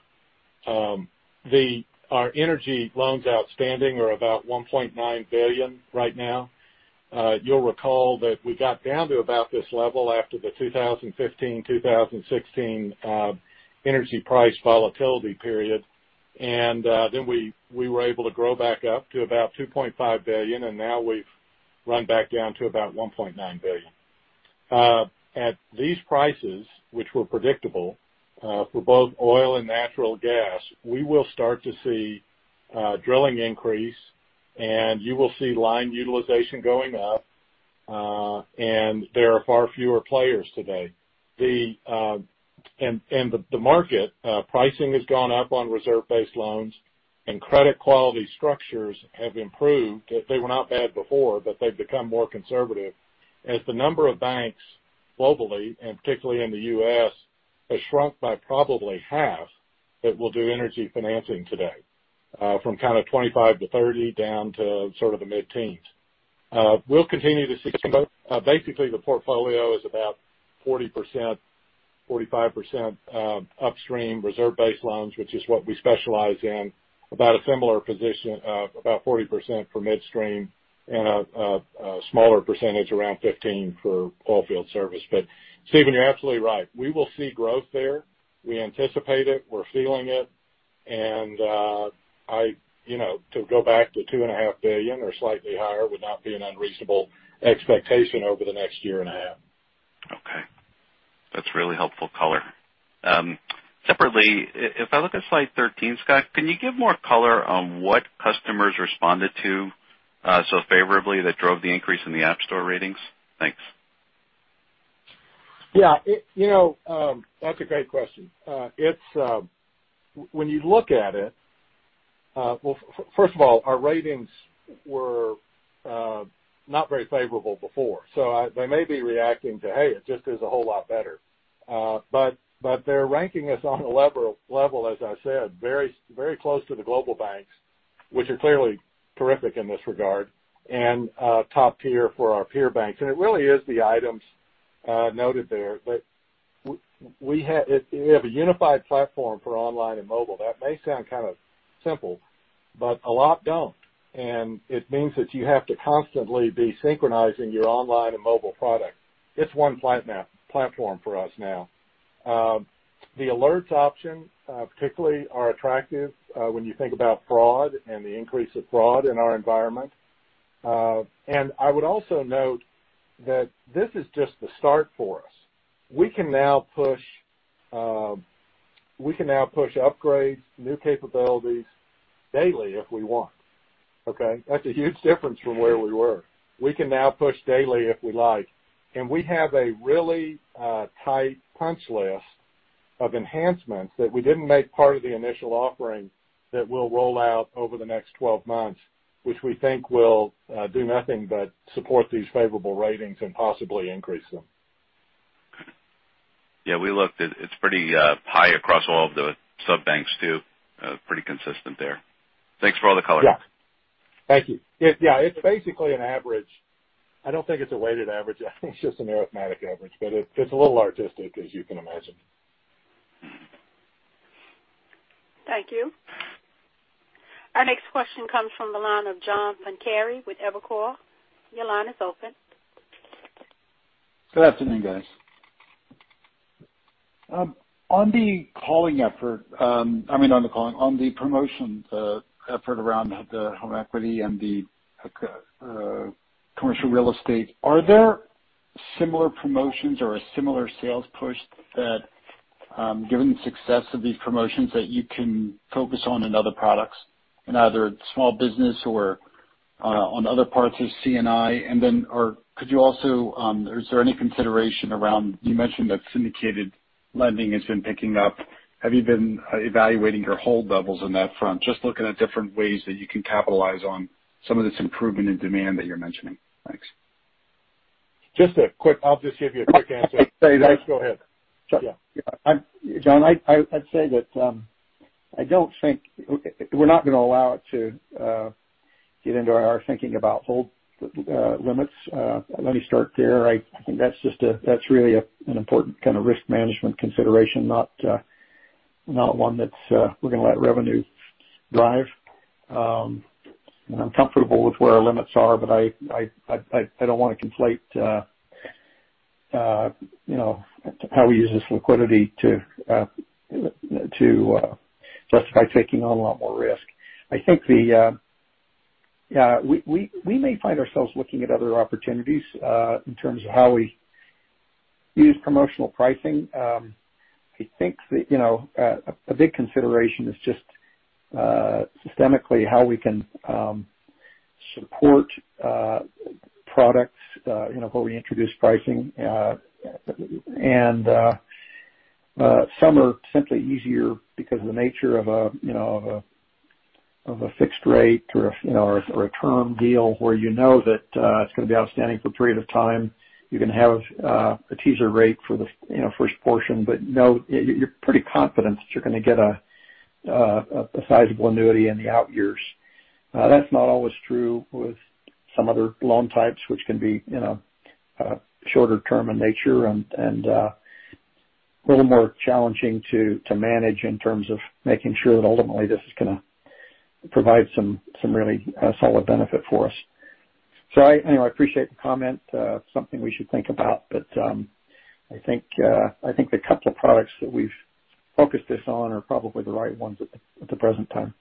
Our energy loans outstanding are about $1.9 billion right now. You'll recall that we got down to about this level after the 2015-2016 energy price volatility period, and then we were able to grow back up to about $2.5 billion, and now we've run back down to about $1.9 billion. At these prices, which were predictable for both oil and natural gas, we will start to see drilling increase, and you will see line utilization going up, and there are far fewer players today. In the market, pricing has gone up on reserve-based loans, and credit quality structures have improved. They were not bad before, but they've become more conservative as the number of banks globally, and particularly in the U.S., has shrunk by probably half that will do energy financing today, from kind of 25%-30% down to sort of the mid-teens. We'll continue to see basically, the portfolio is about 40%, 45% upstream reserve-based loans, which is what we specialize in, about a similar position of about 40% for midstream, and a smaller percentage, around 15%, for oil field service. Steven, you're absolutely right. We will see growth there. We anticipate it. We're feeling it. To go back to $2.5 billion or slightly higher would not be an unreasonable expectation over the next 1.5 years. Okay. That's really helpful color. Separately, if I look at slide 13, Scott, can you give more color on what customers responded to so favorably that drove the increase in the App Store ratings? Thanks. Yeah. That's a great question. When you look at it, well, first of all, our ratings were not very favorable before. They may be reacting to, "Hey, it just is a whole lot better." They're ranking us on a level, as I said, very close to the global banks, which are clearly terrific in this regard, and top tier for our peer banks. It really is the items noted there. We have a unified platform for online and mobile. That may sound kind of simple, but a lot don't, and it means that you have to constantly be synchronizing your online and mobile product. It's one platform for us now. The alerts option, particularly, are attractive when you think about fraud and the increase of fraud in our environment. I would also note that this is just the start for us. We can now push upgrades, new capabilities daily if we want. Okay? That's a huge difference from where we were. We can now push daily if we like, and we have a really tight punch list of enhancements that we didn't make part of the initial offering that we'll roll out over the next 12 months, which we think will do nothing but support these favorable ratings and possibly increase them. Yeah, we looked. It is pretty high across all of the sub banks too. Pretty consistent there. Thanks for all the color. Yeah. Thank you. Yeah, it's basically an average. I don't think it's a weighted average. I think it's just an arithmetic average. It's a little artistic, as you can imagine. Thank you. Our next question comes from the line of John Pancari with Evercore. Your line is open. Good afternoon, guys. On the calling effort, I mean, on the promotions effort around the home equity and the commercial real estate, are there similar promotions or a similar sales push that, given the success of these promotions, that you can focus on in other products, in either small business or on other parts of C&I? Is there any consideration around, you mentioned that syndicated lending has been picking up. Have you been evaluating your hold levels on that front? Just looking at different ways that you can capitalize on some of this improvement in demand that you're mentioning. Thanks. I'll just give you a quick answer. Sorry. Guys, go ahead. Yeah. John, I'd say that we're not going to allow it to get into our thinking about hold limits. Let me start there. I think that's really an important kind of risk management consideration, not one that we're going to let revenue drive. I'm comfortable with where our limits are, but I don't want to conflate how we use this liquidity to justify taking on a lot more risk. I think we may find ourselves looking at other opportunities, in terms of how we use promotional pricing. I think that a big consideration is just systemically how we can support products where we introduce pricing, and some are simply easier because of the nature of a fixed rate or a term deal where you know that it's going to be outstanding for a period of time. You can have a teaser rate for the first portion, but you're pretty confident that you're going to get a sizable annuity in the out years. That's not always true with some other loan types, which can be shorter term in nature and a little more challenging to manage in terms of making sure that ultimately this is going to provide some really solid benefit for us. So anyway, I appreciate the comment. Something we should think about, but I think the couple of products that we've focused this on are probably the right ones at the present time.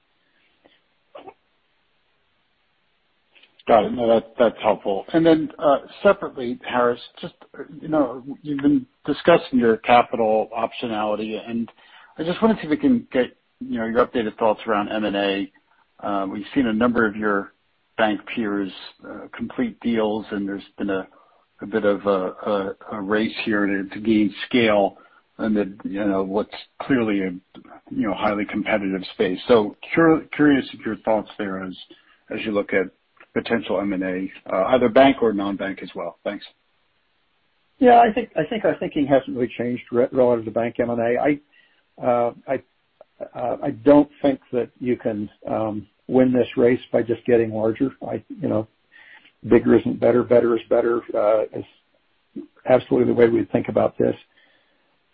Got it. No, that's helpful. And then separately, Harris, you've been discussing your capital optionality, and I just wanted to see if we can get your updated thoughts around M&A, we've seen a number of your bank peers complete deals, and there's been a bit of a race here to gain scale in what's clearly a highly competitive space. Curious of your thoughts there as you look at potential M&A, either bank or non-bank as well. Thanks. Yeah, I think our thinking hasn't really changed relative to bank M&A. I don't think that you can win this race by just getting larger. Bigger isn't better. Better is better is absolutely the way we think about this.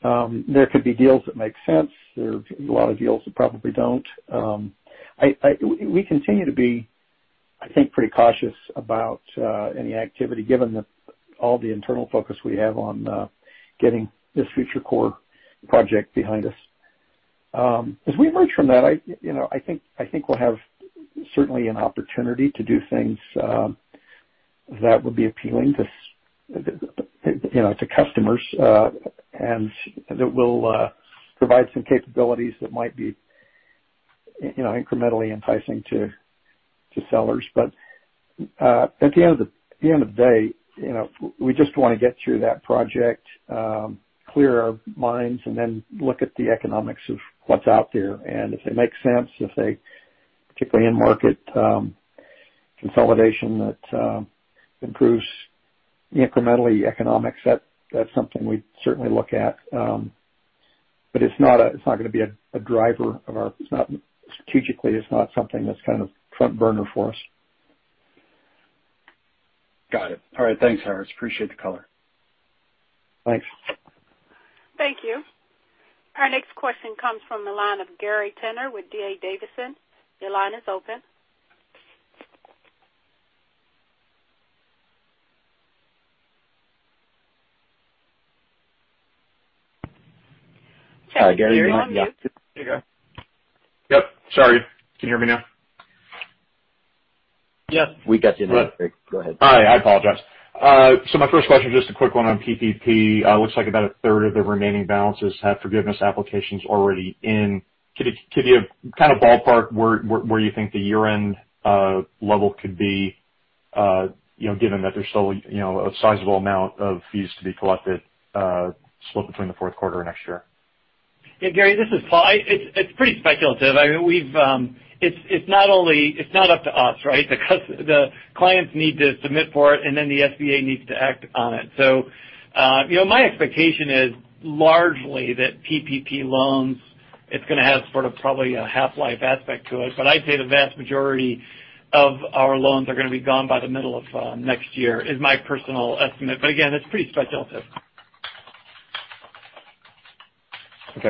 There could be deals that make sense. There are a lot of deals that probably don't. We continue to be. I think pretty cautious about any activity given all the internal focus we have on getting this FutureCore project behind us. As we emerge from that, I think we'll have certainly an opportunity to do things that would be appealing to customers, and that will provide some capabilities that might be incrementally enticing to sellers. At the end of the day, we just want to get through that project, clear our minds, and then look at the economics of what's out there. If they make sense, particularly in market consolidation that improves incrementally economics, that's something we'd certainly look at. It's not going to be a driver. Strategically it's not something that's front burner for us. Got it. All right. Thanks, Harris. Appreciate the color. Thanks. Thank you. Our next question comes from the line of Gary Tenner with D.A. Davidson. Your line is open. Hi, Gary. Yep, sorry. Can you hear me now? Yeah. We got you now, Gary. Go ahead. All right. I apologize. My first question, just a quick one on PPP. Looks like about a third of the remaining balances have forgiveness applications already in. Could you ballpark where you think the year-end level could be given that there's still a sizable amount of fees to be collected split between the Fourth Quarter and next year? Yeah, Gary, this is Paul. It's pretty speculative. It's not up to us, right? The clients need to submit for it, and then the SBA needs to act on it. My expectation is largely that PPP loans, it's going to have probably a half-life aspect to it. I'd say the vast majority of our loans are going to be gone by the middle of next year, is my personal estimate. Again, it's pretty speculative. Okay,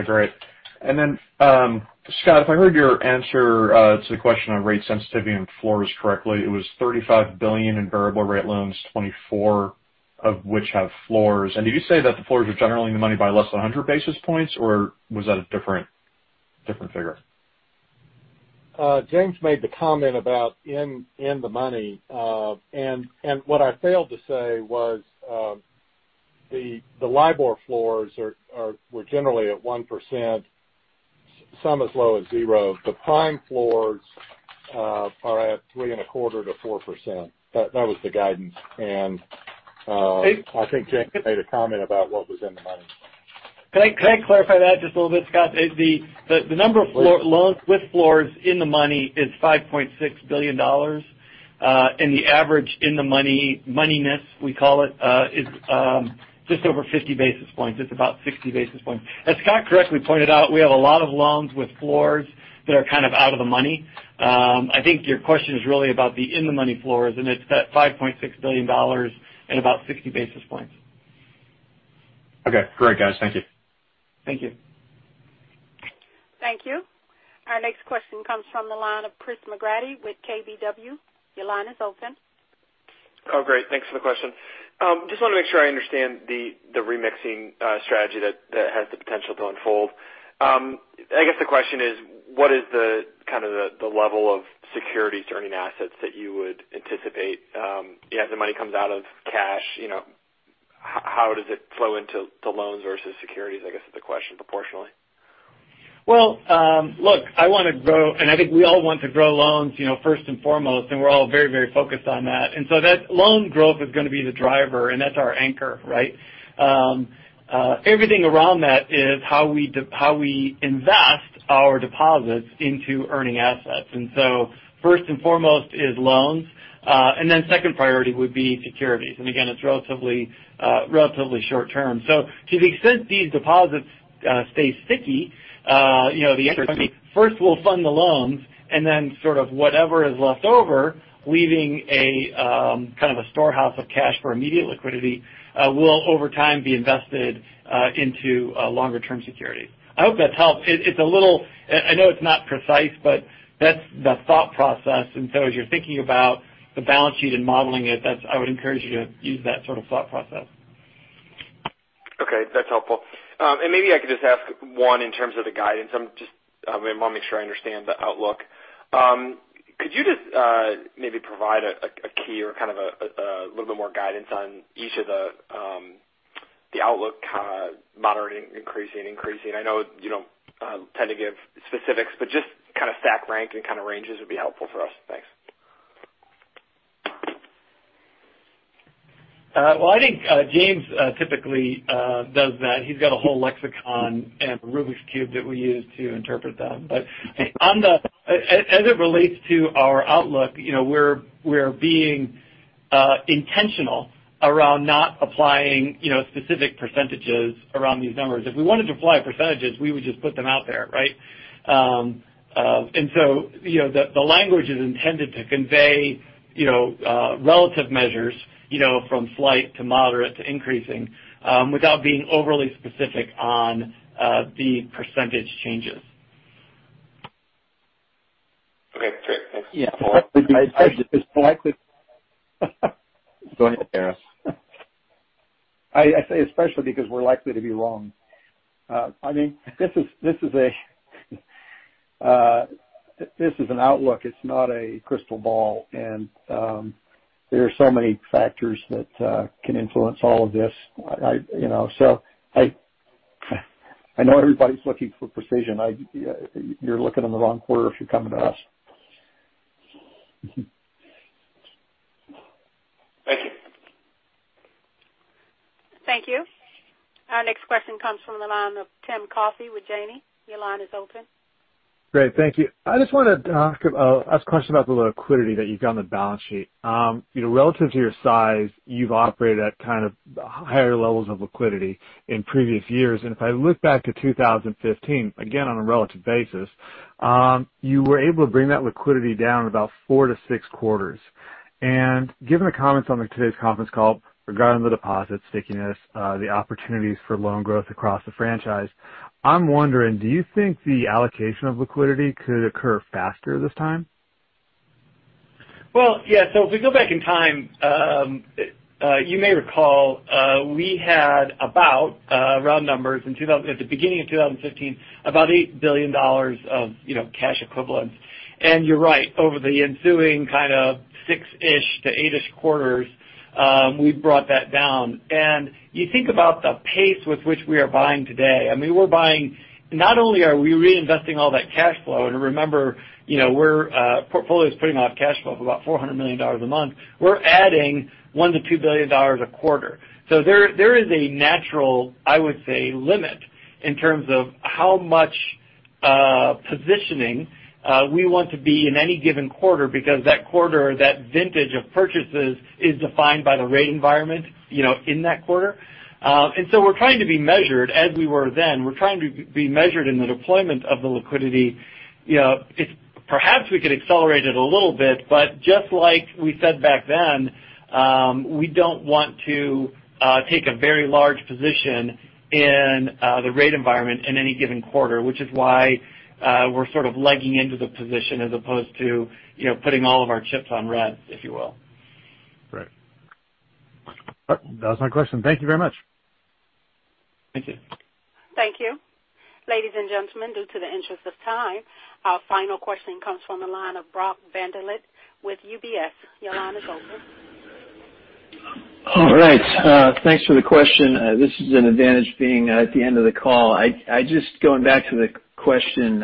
great. Then, Scott, if I heard your answer to the question on rate sensitivity and floors correctly, it was $35 billion in variable rate loans, 24 of which have floors. Did you say that the floors were generally in the money by less than 100 basis points, or was that a different figure? James made the comment about in the money. What I failed to say was the LIBOR floors were generally at 1%, some as low as zero. The prime floors are at three and a quarter to 4%. That was the guidance. I think James made a comment about what was in the money. Could I clarify that just a little bit, Scott? The number of loans with floors in the money is $5.6 billion. The average in the money, moneyness we call it, is just over 50 basis points. It's about 60 basis points. As Scott correctly pointed out, we have a lot of loans with floors that are kind of out of the money. I think your question is really about the in the money floors, and it's that $5.6 billion and about 60 basis points. Okay, great, guys. Thank you. Thank you. Thank you. Our next question comes from the line of Chris McGratty with KBW. Your line is open. Oh, great. Thanks for the question. Just want to make sure I understand the remixing strategy that has the potential to unfold. I guess the question is what is the level of securities earning assets that you would anticipate? As the money comes out of cash, how does it flow into the loans versus securities, I guess is the question proportionally? Well, look, I want to grow, and I think we all want to grow loans first and foremost, and we're all very focused on that. That loan growth is going to be the driver, and that's our anchor, right? Everything around that is how we invest our deposits into earning assets. First and foremost is loans, and then second priority would be securities. Again, it's relatively short-term. To the extent these deposits stay sticky, the answer is first we'll fund the loans and then whatever is left over, leaving a storehouse of cash for immediate liquidity will over time be invested into longer-term securities. I hope that helps. I know it's not precise, but that's the thought process, as you're thinking about the balance sheet and modeling it, I would encourage you to use that sort of thought process. Okay. That's helpful. Maybe I could just ask one in terms of the guidance. I want to make sure I understand the outlook. Could you just maybe provide a key or a little bit more guidance on each of the outlook, moderate, increasing. I know you don't tend to give specifics. Just stack rank and ranges would be helpful for us. Thanks. Well, I think James typically does that. He's got a whole lexicon and Rubik's Cube that we use to interpret them. As it relates to our outlook, we're being intentional around not applying specific percentages around these numbers. If we wanted to apply percentages, we would just put them out there, right? The language is intended to convey relative measures from slight to moderate to increasing without being overly specific on the percentage changes. Okay, great. Thanks. Yeah. Go ahead, Harris. I say especially because we're likely to be wrong. This is an outlook. It's not a crystal ball. There are so many factors that can influence all of this. I know everybody's looking for precision. You're looking in the wrong quarter if you're coming to us. Thank you. Thank you. Our next question comes from the line of Tim Coffey with Janney. Your line is open. Great. Thank you. I just want to ask a question about the liquidity that you've got on the balance sheet. Relative to your size, you've operated at kind of higher levels of liquidity in previous years. If I look back to 2015, again, on a relative basis, you were able to bring that liquidity down about four to six quarters. Given the comments on today's conference call regarding the deposit stickiness, the opportunities for loan growth across the franchise, I'm wondering, do you think the allocation of liquidity could occur faster this time? Well, yeah. If we go back in time, you may recall, we had about, round numbers, at the beginning of 2015, about $8 billion of cash equivalents. You're right, over the ensuing kind of six-ish to eight-ish quarters, we've brought that down. You think about the pace with which we are buying today. Not only are we reinvesting all that cash flow, and remember, portfolio's putting off cash flow of about $400 million a month. We're adding $1 billion-$2 billion a quarter. There is a natural, I would say, limit in terms of how much positioning we want to be in any given quarter because that quarter or that vintage of purchases is defined by the rate environment in that quarter. We're trying to be measured as we were then. We're trying to be measured in the deployment of the liquidity. Perhaps we could accelerate it a little bit, but just like we said back then, we don't want to take a very large position in the rate environment in any given quarter, which is why we're sort of legging into the position as opposed to putting all of our chips on red, if you will. Right. That was my question. Thank you very much. Thank you. Thank you. Ladies and gentlemen, due to the interest of time, our final question comes from the line of Brock Vandervliet with UBS. Your line is open. All right. Thanks for the question. This is an advantage being at the end of the call. Just going back to the question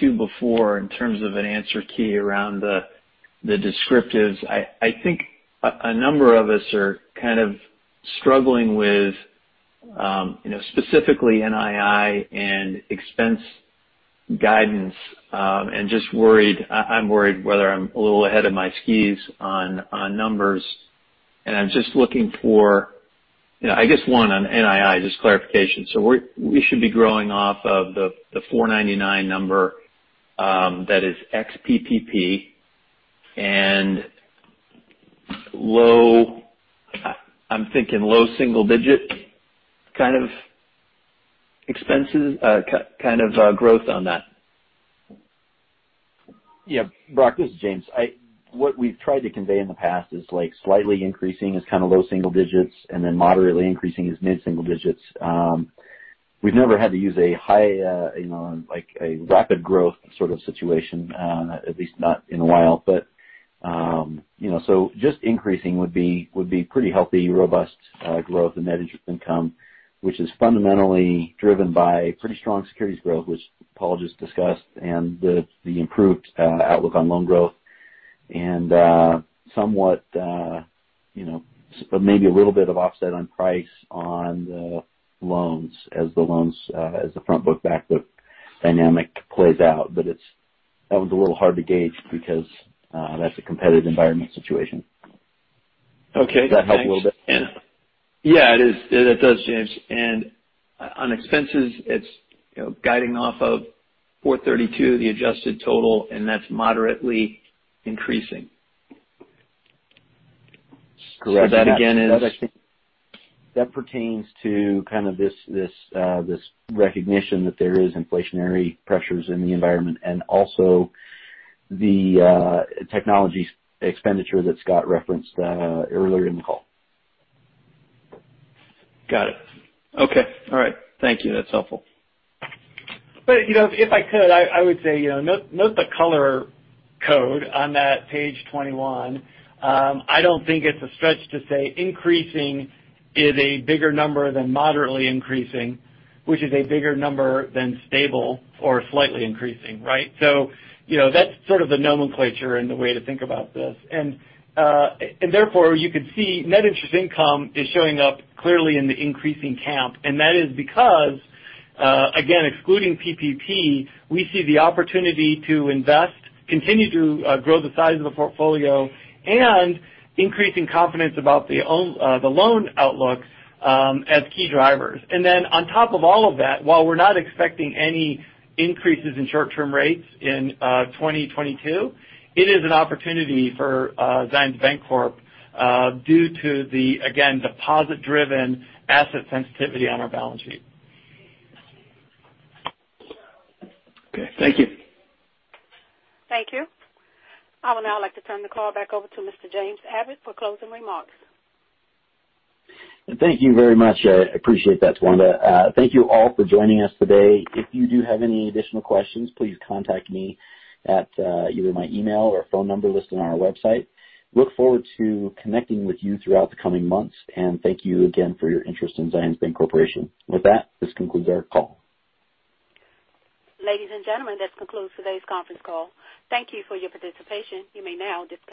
two before in terms of an answer key around the descriptives. I think a number of us are kind of struggling with specifically NII and expense guidance, and I'm worried whether I'm a little ahead of my skis on numbers, and I'm just looking for, I guess one on NII, just clarification. We should be growing off of the $499 number that is ex-PPP and low, I'm thinking low single digit kind of growth on that. Yeah. Brock, this is James. What we've tried to convey in the past is like slightly increasing is kind of low single digits, moderately increasing is mid-single digits. We've never had to use a high, like a rapid growth sort of situation, at least not in a while. Just increasing would be pretty healthy, robust growth in net interest income, which is fundamentally driven by pretty strong securities growth, which Paul just discussed, the improved outlook on loan growth and somewhat maybe a little bit of offset on price on the loans as the front book/back book dynamic plays out. That one's a little hard to gauge because that's a competitive environment situation. Okay. Does that help a little bit? Yeah, it is. It does, James. On expenses, it's guiding off of $432, the adjusted total, and that's moderately increasing. Correct. that again is- That pertains to kind of this recognition that there is inflationary pressures in the environment and also the technology expenditure that Scott referenced earlier in the call. Got it. Okay. All right. Thank you. That's helpful. If I could, I would say, note the color code on that page 21. I don't think it's a stretch to say increasing is a bigger number than moderately increasing, which is a bigger number than stable or slightly increasing. Right? That's sort of the nomenclature and the way to think about this. Therefore, you could see net interest income is showing up clearly in the increasing camp, and that is because, again, excluding PPP, we see the opportunity to invest, continue to grow the size of the portfolio, and increasing confidence about the loan outlook as key drivers. On top of all of that, while we're not expecting any increases in short-term rates in 2022, it is an opportunity for Zions Bancorporation due to the, again, deposit-driven asset sensitivity on our balance sheet. Okay. Thank you. Thank you. I would now like to turn the call back over to Mr. James Abbott for closing remarks. Thank you very much. I appreciate that, Tawanda. Thank you all for joining us today. If you do have any additional questions, please contact me at either my email or phone number listed on our website. Look forward to connecting with you throughout the coming months, and thank you again for your interest in Zions Bancorporation. With that, this concludes our call. Ladies and gentlemen, this concludes today's conference call. Thank you for your participation. You may now disconnect.